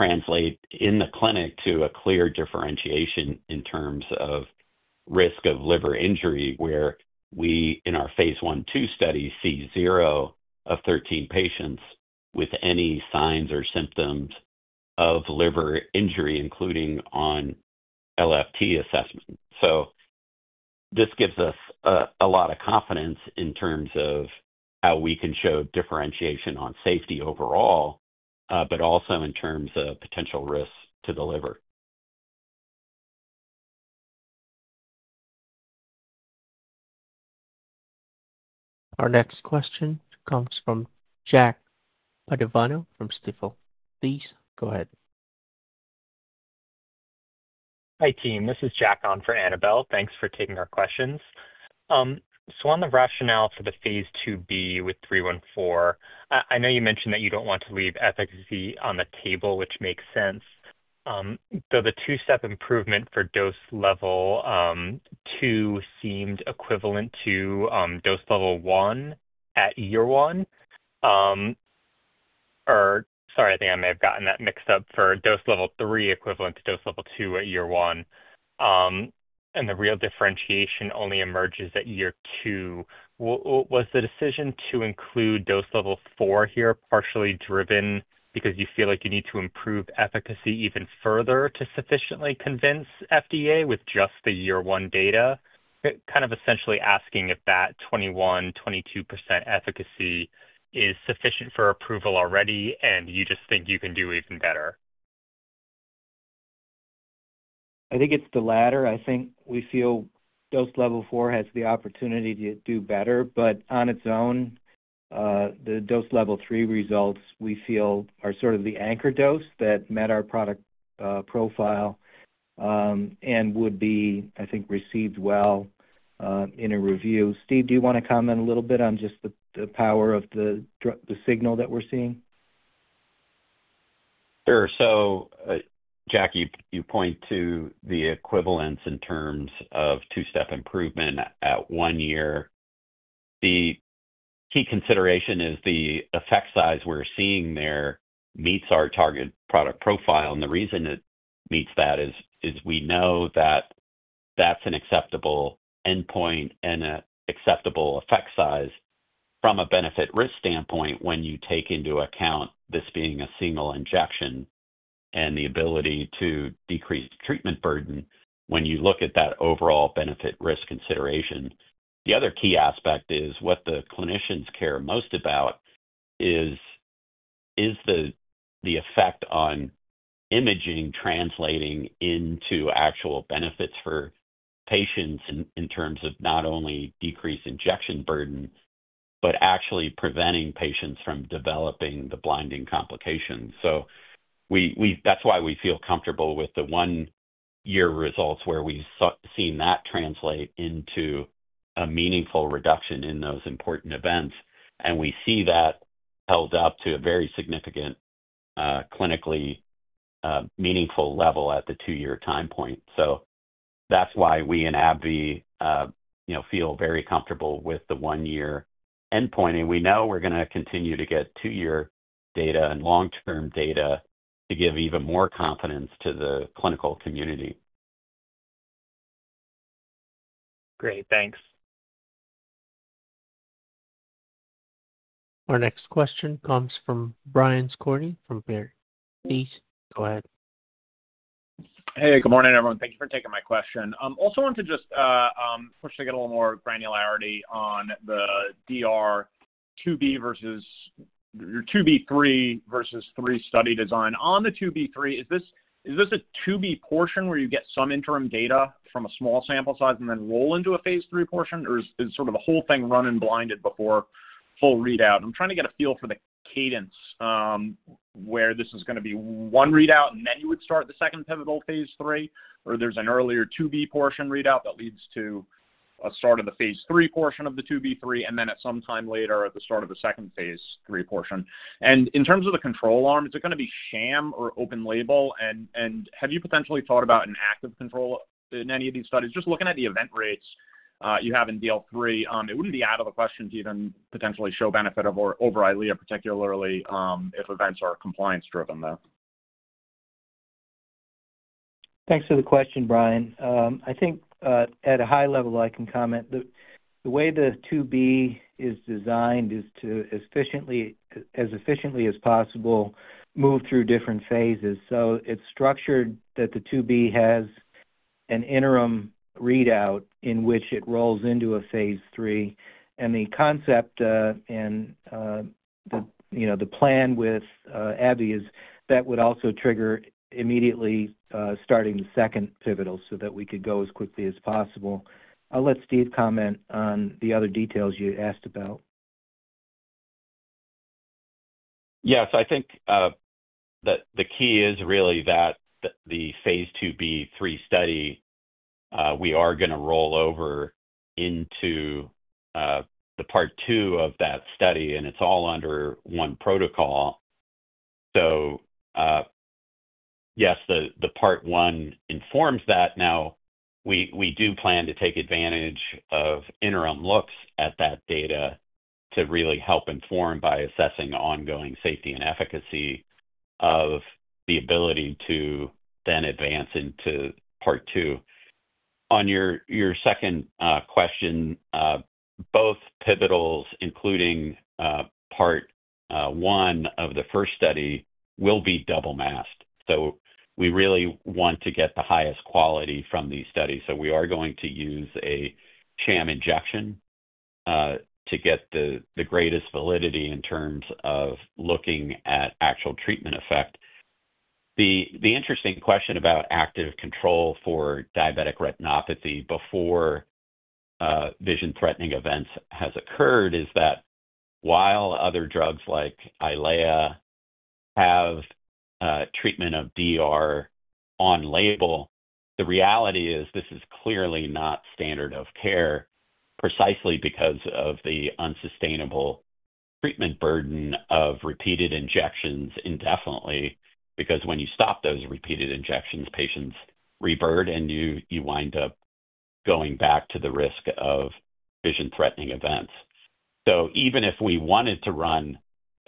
[SPEAKER 4] translate in the clinic to a clear differentiation in terms of risk of liver injury where we in our phase I/II study see zero of 13 patients with any signs or symptoms of liver injury, including on LFT assessment. This gives us a lot of confidence in terms of how we can show differentiation on safety overall, but also in terms of potential risks to the liver.
[SPEAKER 1] Our next question comes from Jack Padovano from Stifel. Please go ahead.
[SPEAKER 12] Hi, team. This is Jack on for Annabel. Thanks for taking our questions. On the rationale for the phase II-B with ABBV-RGX-314, I know you mentioned that you don't want to leave efficacy on the table, which makes sense. The two-step improvement for dose level two seemed equivalent to dose level one at year one. Sorry, I think I may have gotten that mixed up for dose level three equivalent to dose level two at year one, and the real differentiation only emerges at year two. Was the decision to include dose level four here partially driven because you feel like you need to improve efficacy even further to sufficiently convince FDA with just the year one data? Essentially asking if that 21%-22% efficacy is sufficient for approval already, and you just think you can do even better.
[SPEAKER 3] I think it's the latter. I think we feel dose level four has the opportunity to do better, but on its own, the dose level three results we feel are sort of the anchor dose that met our product profile and would be, I think, received well in a review. Steve, do you want to comment a little bit on just the power of the signal that we're seeing?
[SPEAKER 4] Sure. Jack, you point to the equivalence in terms of two-step improvement at one year. The key consideration is the effect size we're seeing there meets our target product profile. The reason it meets that is we know that that's an acceptable endpoint and an acceptable effect size from a benefit-risk standpoint when you take into account this being a single injection and the ability to decrease treatment burden when you look at that overall benefit-risk consideration. The other key aspect is what the clinicians care most about is the effect on imaging translating into actual benefits for patients in terms of not only decreased injection burden, but actually preventing patients from developing the blinding complications. That is why we feel comfortable with the one-year results where we've seen that translate into a meaningful reduction in those important events. We see that held up to a very significant, clinically meaningful level at the two-year time point. That is why we in AbbVie feel very comfortable with the one-year endpoint. We know we're going to continue to get two-year data and long-term data to give even more confidence to the clinical community.
[SPEAKER 12] Great. Thanks.
[SPEAKER 1] Our next question comes from Brian Skorney from Baird. Please go ahead.
[SPEAKER 13] Hey, good morning, everyone. Thank you for taking my question. I also want to just push to get a little more granularity on the diabetic retinopathy phase II-B versus phase II-B/III versus three study design. On the phase II-B/III, is this a phase II-B portion where you get some interim data from a small sample size and then roll into a phase III portion, or is sort of the whole thing run and blinded before full readout? I'm trying to get a feel for the cadence where this is going to be one readout, and then you would start the second pivotal phase III, or there's an earlier phase II-B portion readout that leads to a start of the phase III portion of the phase II-B/III, and then at some time later at the start of the second phase III portion. In terms of the control arm, is it going to be sham or open label? Have you potentially thought about an active control in any of these studies? Just looking at the event rates you have in diabetic retinopathy 3, it wouldn't be out of the question to even potentially show benefit over EYLEA, particularly if events are compliance-driven there.
[SPEAKER 3] Thanks for the question, Brian. I think at a high level, I can comment. The way the phase II-B is designed is to as efficiently as possible move through different phases. It is structured that the phase II-B has an interim readout in which it rolls into a phase III. The concept and the plan with AbbVie is that would also trigger immediately starting the second pivotal so that we could go as quickly as possible. I'll let Steve comment on the other details you asked about.
[SPEAKER 4] Yes, I think that the key is really that the phase II-B/III study, we are going to roll over into the part two of that study, and it's all under one protocol. Yes, the part one informs that. We do plan to take advantage of interim looks at that data to really help inform by assessing the ongoing safety and efficacy of the ability to then advance into part two. On your second question, both pivotals, including part one of the first study, will be double masked. We really want to get the highest quality from these studies. We are going to use a sham injection to get the greatest validity in terms of looking at actual treatment effect. The interesting question about active control for diabetic retinopathy before vision-threatening events has occurred is that while other drugs like EYLEA have treatment of DR on label, the reality is this is clearly not standard of care precisely because of the unsustainable treatment burden of repeated injections indefinitely, because when you stop those repeated injections, patients reburn, and you wind up going back to the risk of vision-threatening events. Even if we wanted to run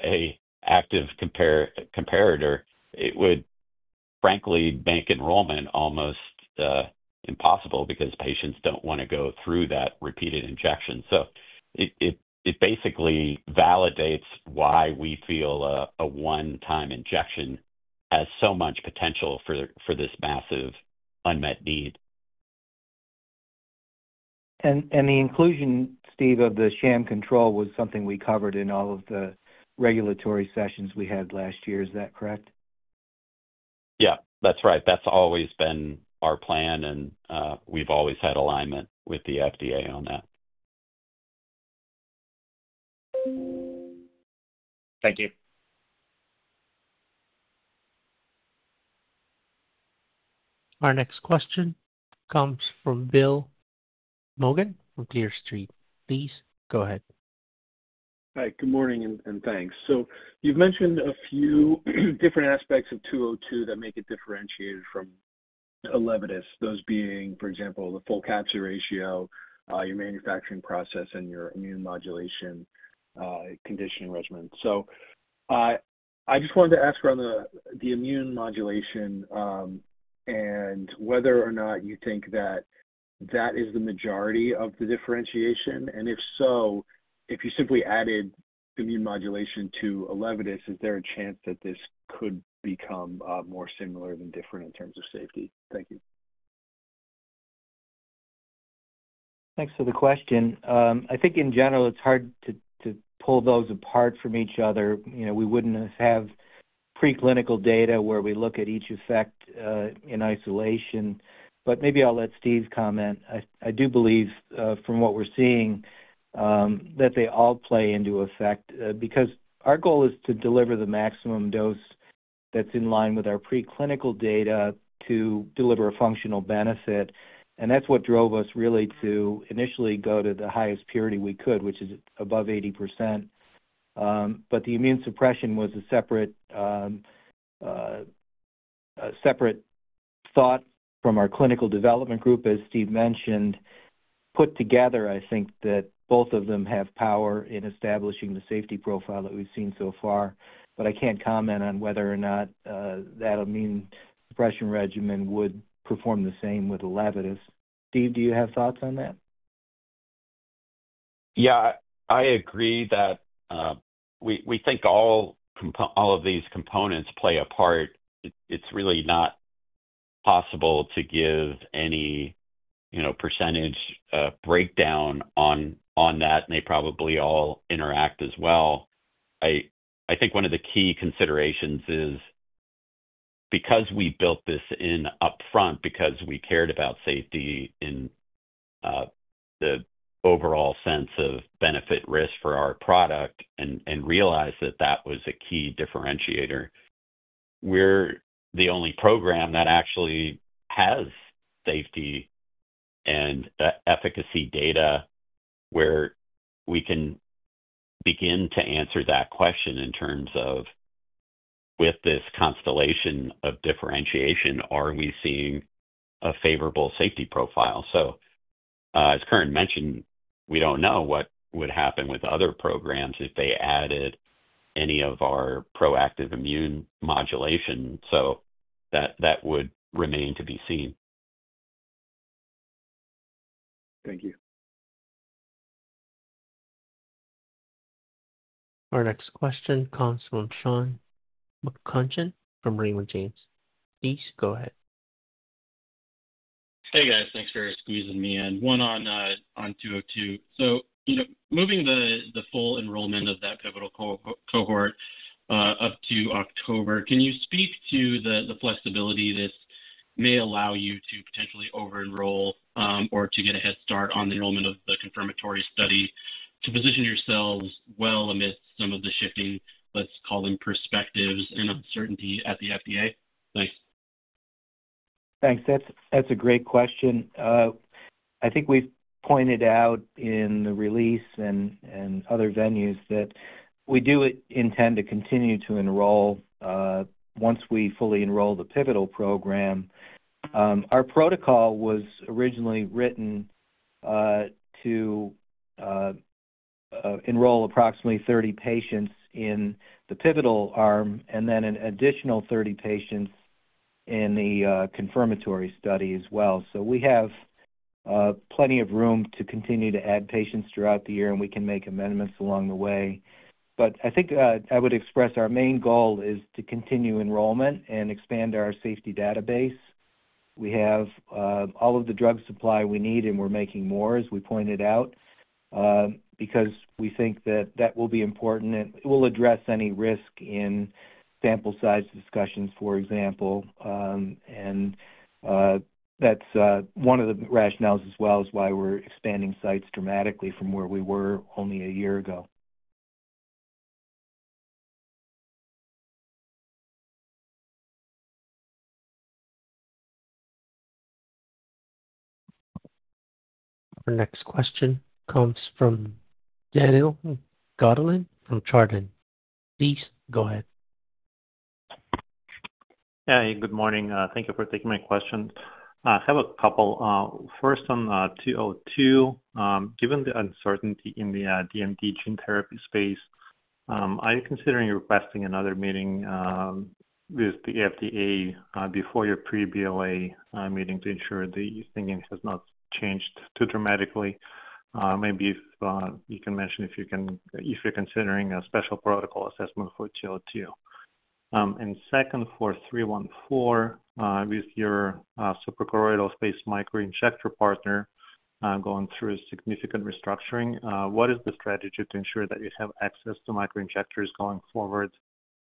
[SPEAKER 4] an active comparator, it would frankly make enrollment almost impossible because patients don't want to go through that repeated injection. It basically validates why we feel a one-time injection has so much potential for this massive unmet need.
[SPEAKER 3] The inclusion, Steve, of the sham control was something we covered in all of the regulatory sessions we had last year. Is that correct?
[SPEAKER 4] Yeah, that's right. That's always been our plan, and we've always had alignment with the FDA on that.
[SPEAKER 13] Thank you.
[SPEAKER 1] Our next question comes from Bill Maughan from Clear Street. Please go ahead.
[SPEAKER 14] Hi, good morning, and thanks. You've mentioned a few different aspects of RGX-202 that make it differentiated from Elevidys, those being, for example, the full capsid ratio, your manufacturing process, and your immune suppression regimen. I just wanted to ask around the immune suppression and whether or not you think that is the majority of the differentiation. If so, if you simply added immune suppression to Elevidys, is there a chance that this could become more similar than different in terms of safety? Thank you.
[SPEAKER 3] Thanks for the question. I think in general, it's hard to pull those apart from each other. You know, we wouldn't have preclinical data where we look at each effect in isolation. Maybe I'll let Steve comment. I do believe from what we're seeing that they all play into effect because our goal is to deliver the maximum dose that's in line with our preclinical data to deliver a functional benefit. That's what drove us really to initially go to the highest purity we could, which is above 80%. The immune suppression was a separate thought from our clinical development group, as Steve mentioned. Put together, I think that both of them have power in establishing the safety profile that we've seen so far. I can't comment on whether or not that immune suppression regimen would perform the same with a Elevidys. Steve, do you have thoughts on that?
[SPEAKER 4] Yeah, I agree that we think all of these components play a part. It's really not possible to give any percentage breakdown on that, and they probably all interact as well. I think one of the key considerations is because we built this in upfront because we cared about safety in the overall sense of benefit-risk for our product and realized that that was a key differentiator. We're the only program that actually has safety and efficacy data where we can begin to answer that question in terms of with this constellation of differentiation, are we seeing a favorable safety profile? As Curran mentioned, we don't know what would happen with other programs if they added any of our proactive immune modulation. That would remain to be seen.
[SPEAKER 14] Thank you.
[SPEAKER 1] Our next question comes from Sean McCutcheon from Raymond James. Please go ahead.
[SPEAKER 15] Hey guys, thanks for excusing me. One on RGX-202. Moving the full enrollment of that pivotal cohort up to October, can you speak to the flexibility this may or value? to potentially over-enroll or to get a head start on the enrollment of the confirmatory study to position yourselves well amid some of the shifting, let's call them, perspectives and uncertainty at the FDA? Thanks.
[SPEAKER 3] Thanks. That's a great question. I think we've pointed out in the release and other venues that we do intend to continue to enroll once we fully enroll the pivotal program. Our protocol was originally written to enroll approximately 30 patients in the pivotal arm and then an additional 30 patients in the confirmatory study as well. We have plenty of room to continue to add patients throughout the year, and we can make amendments along the way. I think I would express our main goal is to continue enrollment and expand our safety database. We have all of the drug supply we need, and we're making more, as we pointed out, because we think that that will be important. It will address any risk in sample size discussions, for example. That's one of the rationales as well as why we're expanding sites dramatically from where we were only a year ago.
[SPEAKER 1] The next question comes from Daniil Gataulin from Chardan. Please go ahead.
[SPEAKER 16] Yeah. Hey, good morning. Thank you for taking my question. I have a couple. First on RGX-202, given the uncertainty in the DMD gene therapy space, are you considering requesting another meeting with the FDA before your pre-BLA meeting to ensure that you think it has not changed too dramatically? Maybe if you can mention if you're considering a special protocol assessment for RGX-202. Second, for ABBV-RGX-314, with your suprachoroidal space microinjector partner going through significant restructuring, what is the strategy to ensure that you have access to microinjectors going forward?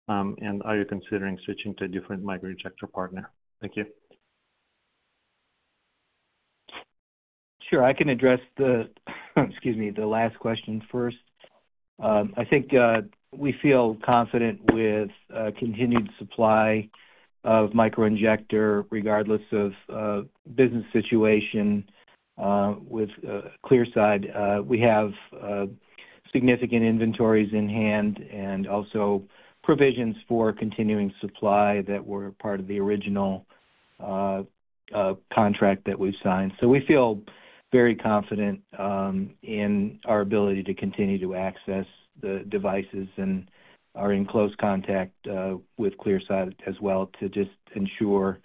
[SPEAKER 16] Are you considering switching to a different microinjector partner? Thank you.
[SPEAKER 3] Sure. I can address the last question first. I think we feel confident with continued supply of microinjector regardless of business situation with Clearside. We have significant inventories in hand and also provisions for continuing supply that were part of the original contract that we've signed. We feel very confident in our ability to continue to access the devices and are in close contact with Clearside as well to just ensure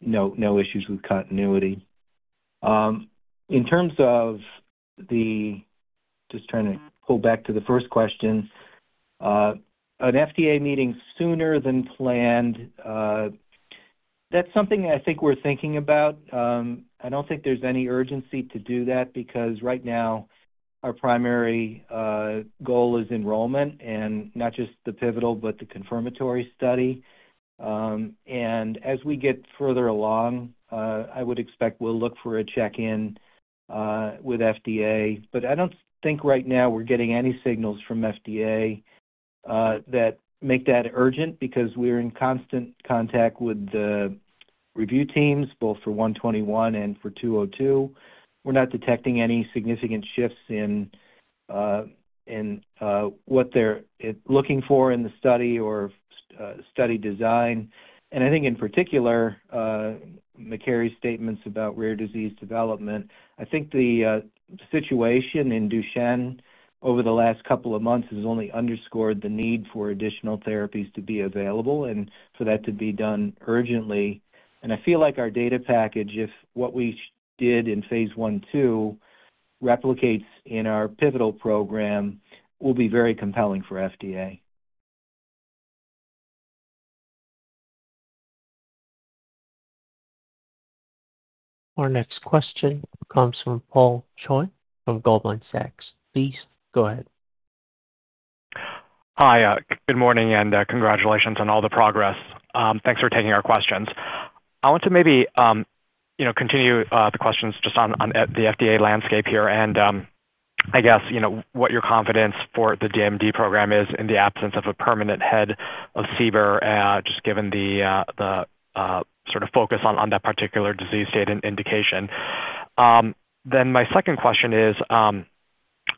[SPEAKER 3] no issues with continuity. In terms of the first question, an FDA meeting sooner than planned, that's something I think we're thinking about. I don't think there's any urgency to do that because right now our primary goal is enrollment and not just the pivotal but the confirmatory study. As we get further along, I would expect we'll look for a check-in with FDA. I don't think right now we're getting any signals from FDA that make that urgent because we're in constant contact with the review teams both for RGX-121 and for RGX-202. We're not detecting any significant shifts in what they're looking for in the study or study design. I think in particular, McKerry's statements about rare disease development, I think the situation in Duchenne over the last couple of months has only underscored the need for additional therapies to be available and for that to be done urgently. I feel like our data package, if what we did in phase I/II replicates in our pivotal program, will be very compelling for FDA.
[SPEAKER 1] Our next question comes from Paul Choi from Goldman Sachs. Please go ahead.
[SPEAKER 17] Hi. Good morning and congratulations on all the progress. Thanks for taking our questions. I want to maybe continue the questions just on the FDA landscape here and I guess what your confidence for the DMD program is in the absence of a permanent head of CBER just given the sort of focus on that particular disease state and indication. My second question is,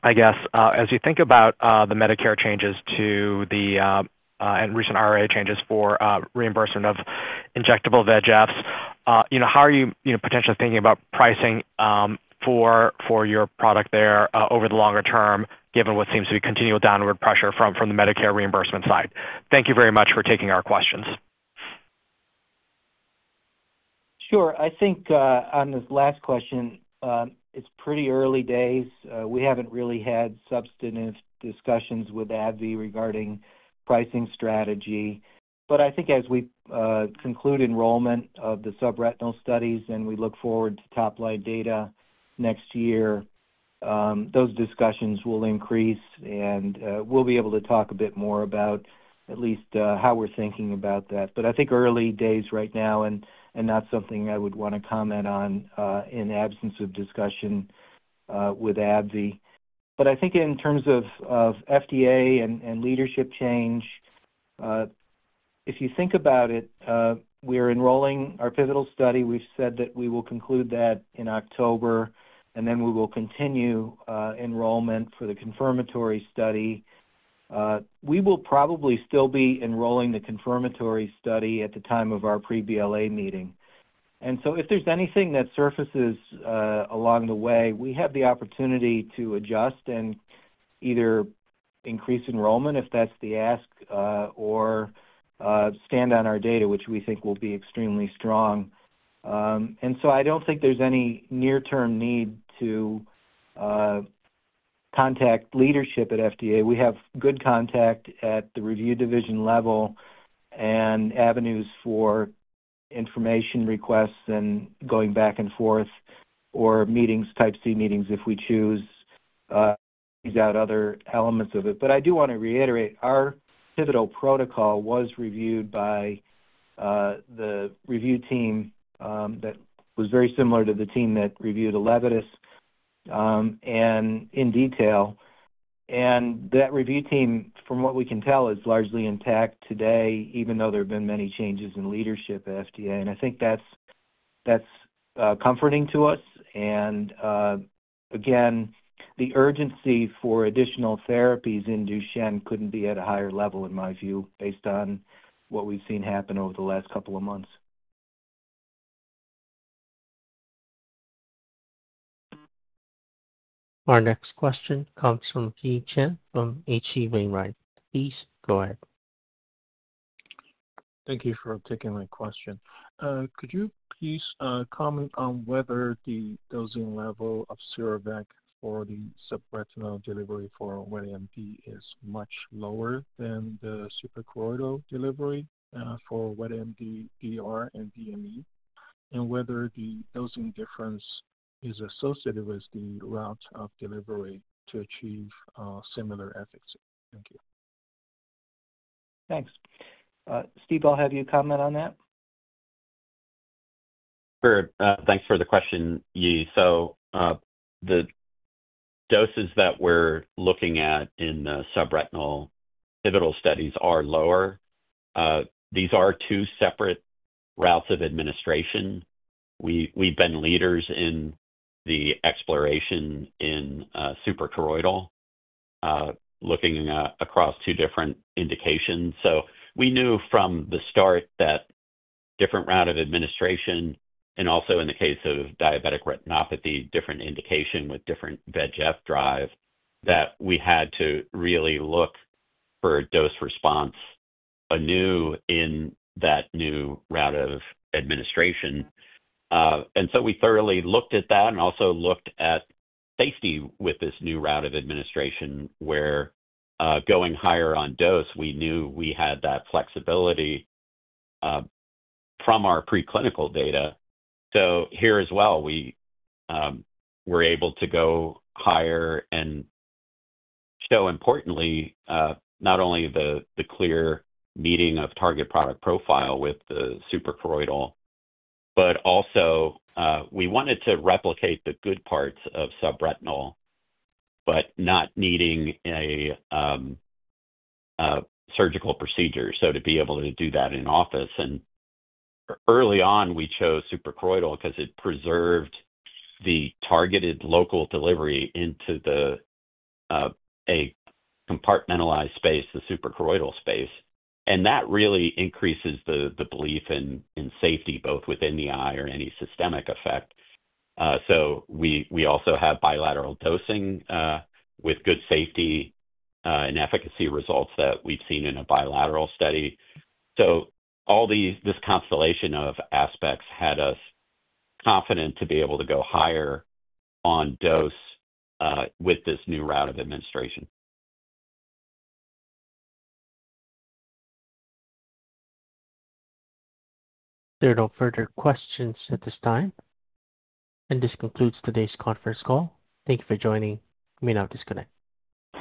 [SPEAKER 17] I guess, as you think about the Medicare changes to the recent IRA changes for reimbursement of injectable VEGFs, how are you potentially thinking about pricing for your product there over the longer term given what seems to be continual downward pressure from the Medicare reimbursement side? Thank you very much for taking our questions.
[SPEAKER 3] Sure. I think on this last question, it's pretty early days. We haven't really had substantive discussions with AbbVie regarding pricing strategy. I think as we conclude enrollment of the subretinal studies and we look forward to top-line data next year, those discussions will increase, and we'll be able to talk a bit more about at least how we're thinking about that. I think early days right now and not something I would want to comment on in the absence of discussion with AbbVie. I think in terms of FDA and leadership change, if you think about it, we're enrolling our pivotal study. We've said that we will conclude that in October, and then we will continue enrollment for the confirmatory study. We will probably still be enrolling the confirmatory study at the time of our pre-BLA meeting. If there's anything that surfaces along the way, we have the opportunity to adjust and either increase enrollment if that's the ask or stand on our data, which we think will be extremely strong. I don't think there's any near-term need to contact leadership at FDA. We have good contact at the review division level and avenues for information requests and going back and forth or meetings, type C meetings if we choose these out other elements of it. I do want to reiterate, our pivotal protocol was reviewed by the review team that was very similar to the team that reviewed Elevadys, and in detail. That review team, from what we can tell, is largely intact today, even though there have been many changes in leadership at FDA. I think that's comforting to us. Again, the urgency for additional therapies in Duchenne couldn't be at a higher level in my view based on what we've seen happen over the last couple of months.
[SPEAKER 1] Our next question comes from Yi Chen from H.C. Wainwright. Please go ahead.
[SPEAKER 18] Thank you for taking my question. Could you please comment on whether the dosing level of sura-vec for the subretinal delivery for wet AMD is much lower than the suprachoroidal delivery for wet AMD, BR, and DME, and whether the dosing difference is associated with the route of delivery to achieve similar efficacy? Thank you.
[SPEAKER 3] Thanks. Steve, I'll have you comment on that.
[SPEAKER 4] Sure. Thanks for the question, Yi. The doses that we're looking at in the subretinal pivotal studies are lower. These are two separate routes of administration. We've been leaders in the exploration in suprachoroidal, looking across two different indications. We knew from the start that a different route of administration, and also in the case of diabetic retinopathy, a different indication with different VEGF drive, meant that we had to really look for a dose response anew in that new route of administration. We thoroughly looked at that and also looked at safety with this new route of administration where going higher on dose, we knew we had that flexibility from our preclinical data. Here as well, we were able to go higher and show importantly not only the clear meeting of target product profile with the suprachoroidal, but also we wanted to replicate the good parts of subretinal but not needing a surgical procedure to be able to do that in office. Early on, we chose suprachoroidal because it preserved the targeted local delivery into a compartmentalized space, the suprachoroidal space. That really increases the belief in safety both within the eye or any systemic effect. We also have bilateral dosing with good safety and efficacy results that we've seen in a bilateral study. All this constellation of aspects had us confident to be able to go higher on dose with this new route of administration.
[SPEAKER 1] There are no further questions at this time. This concludes today's conference call. Thank you for joining. You may now disconnect.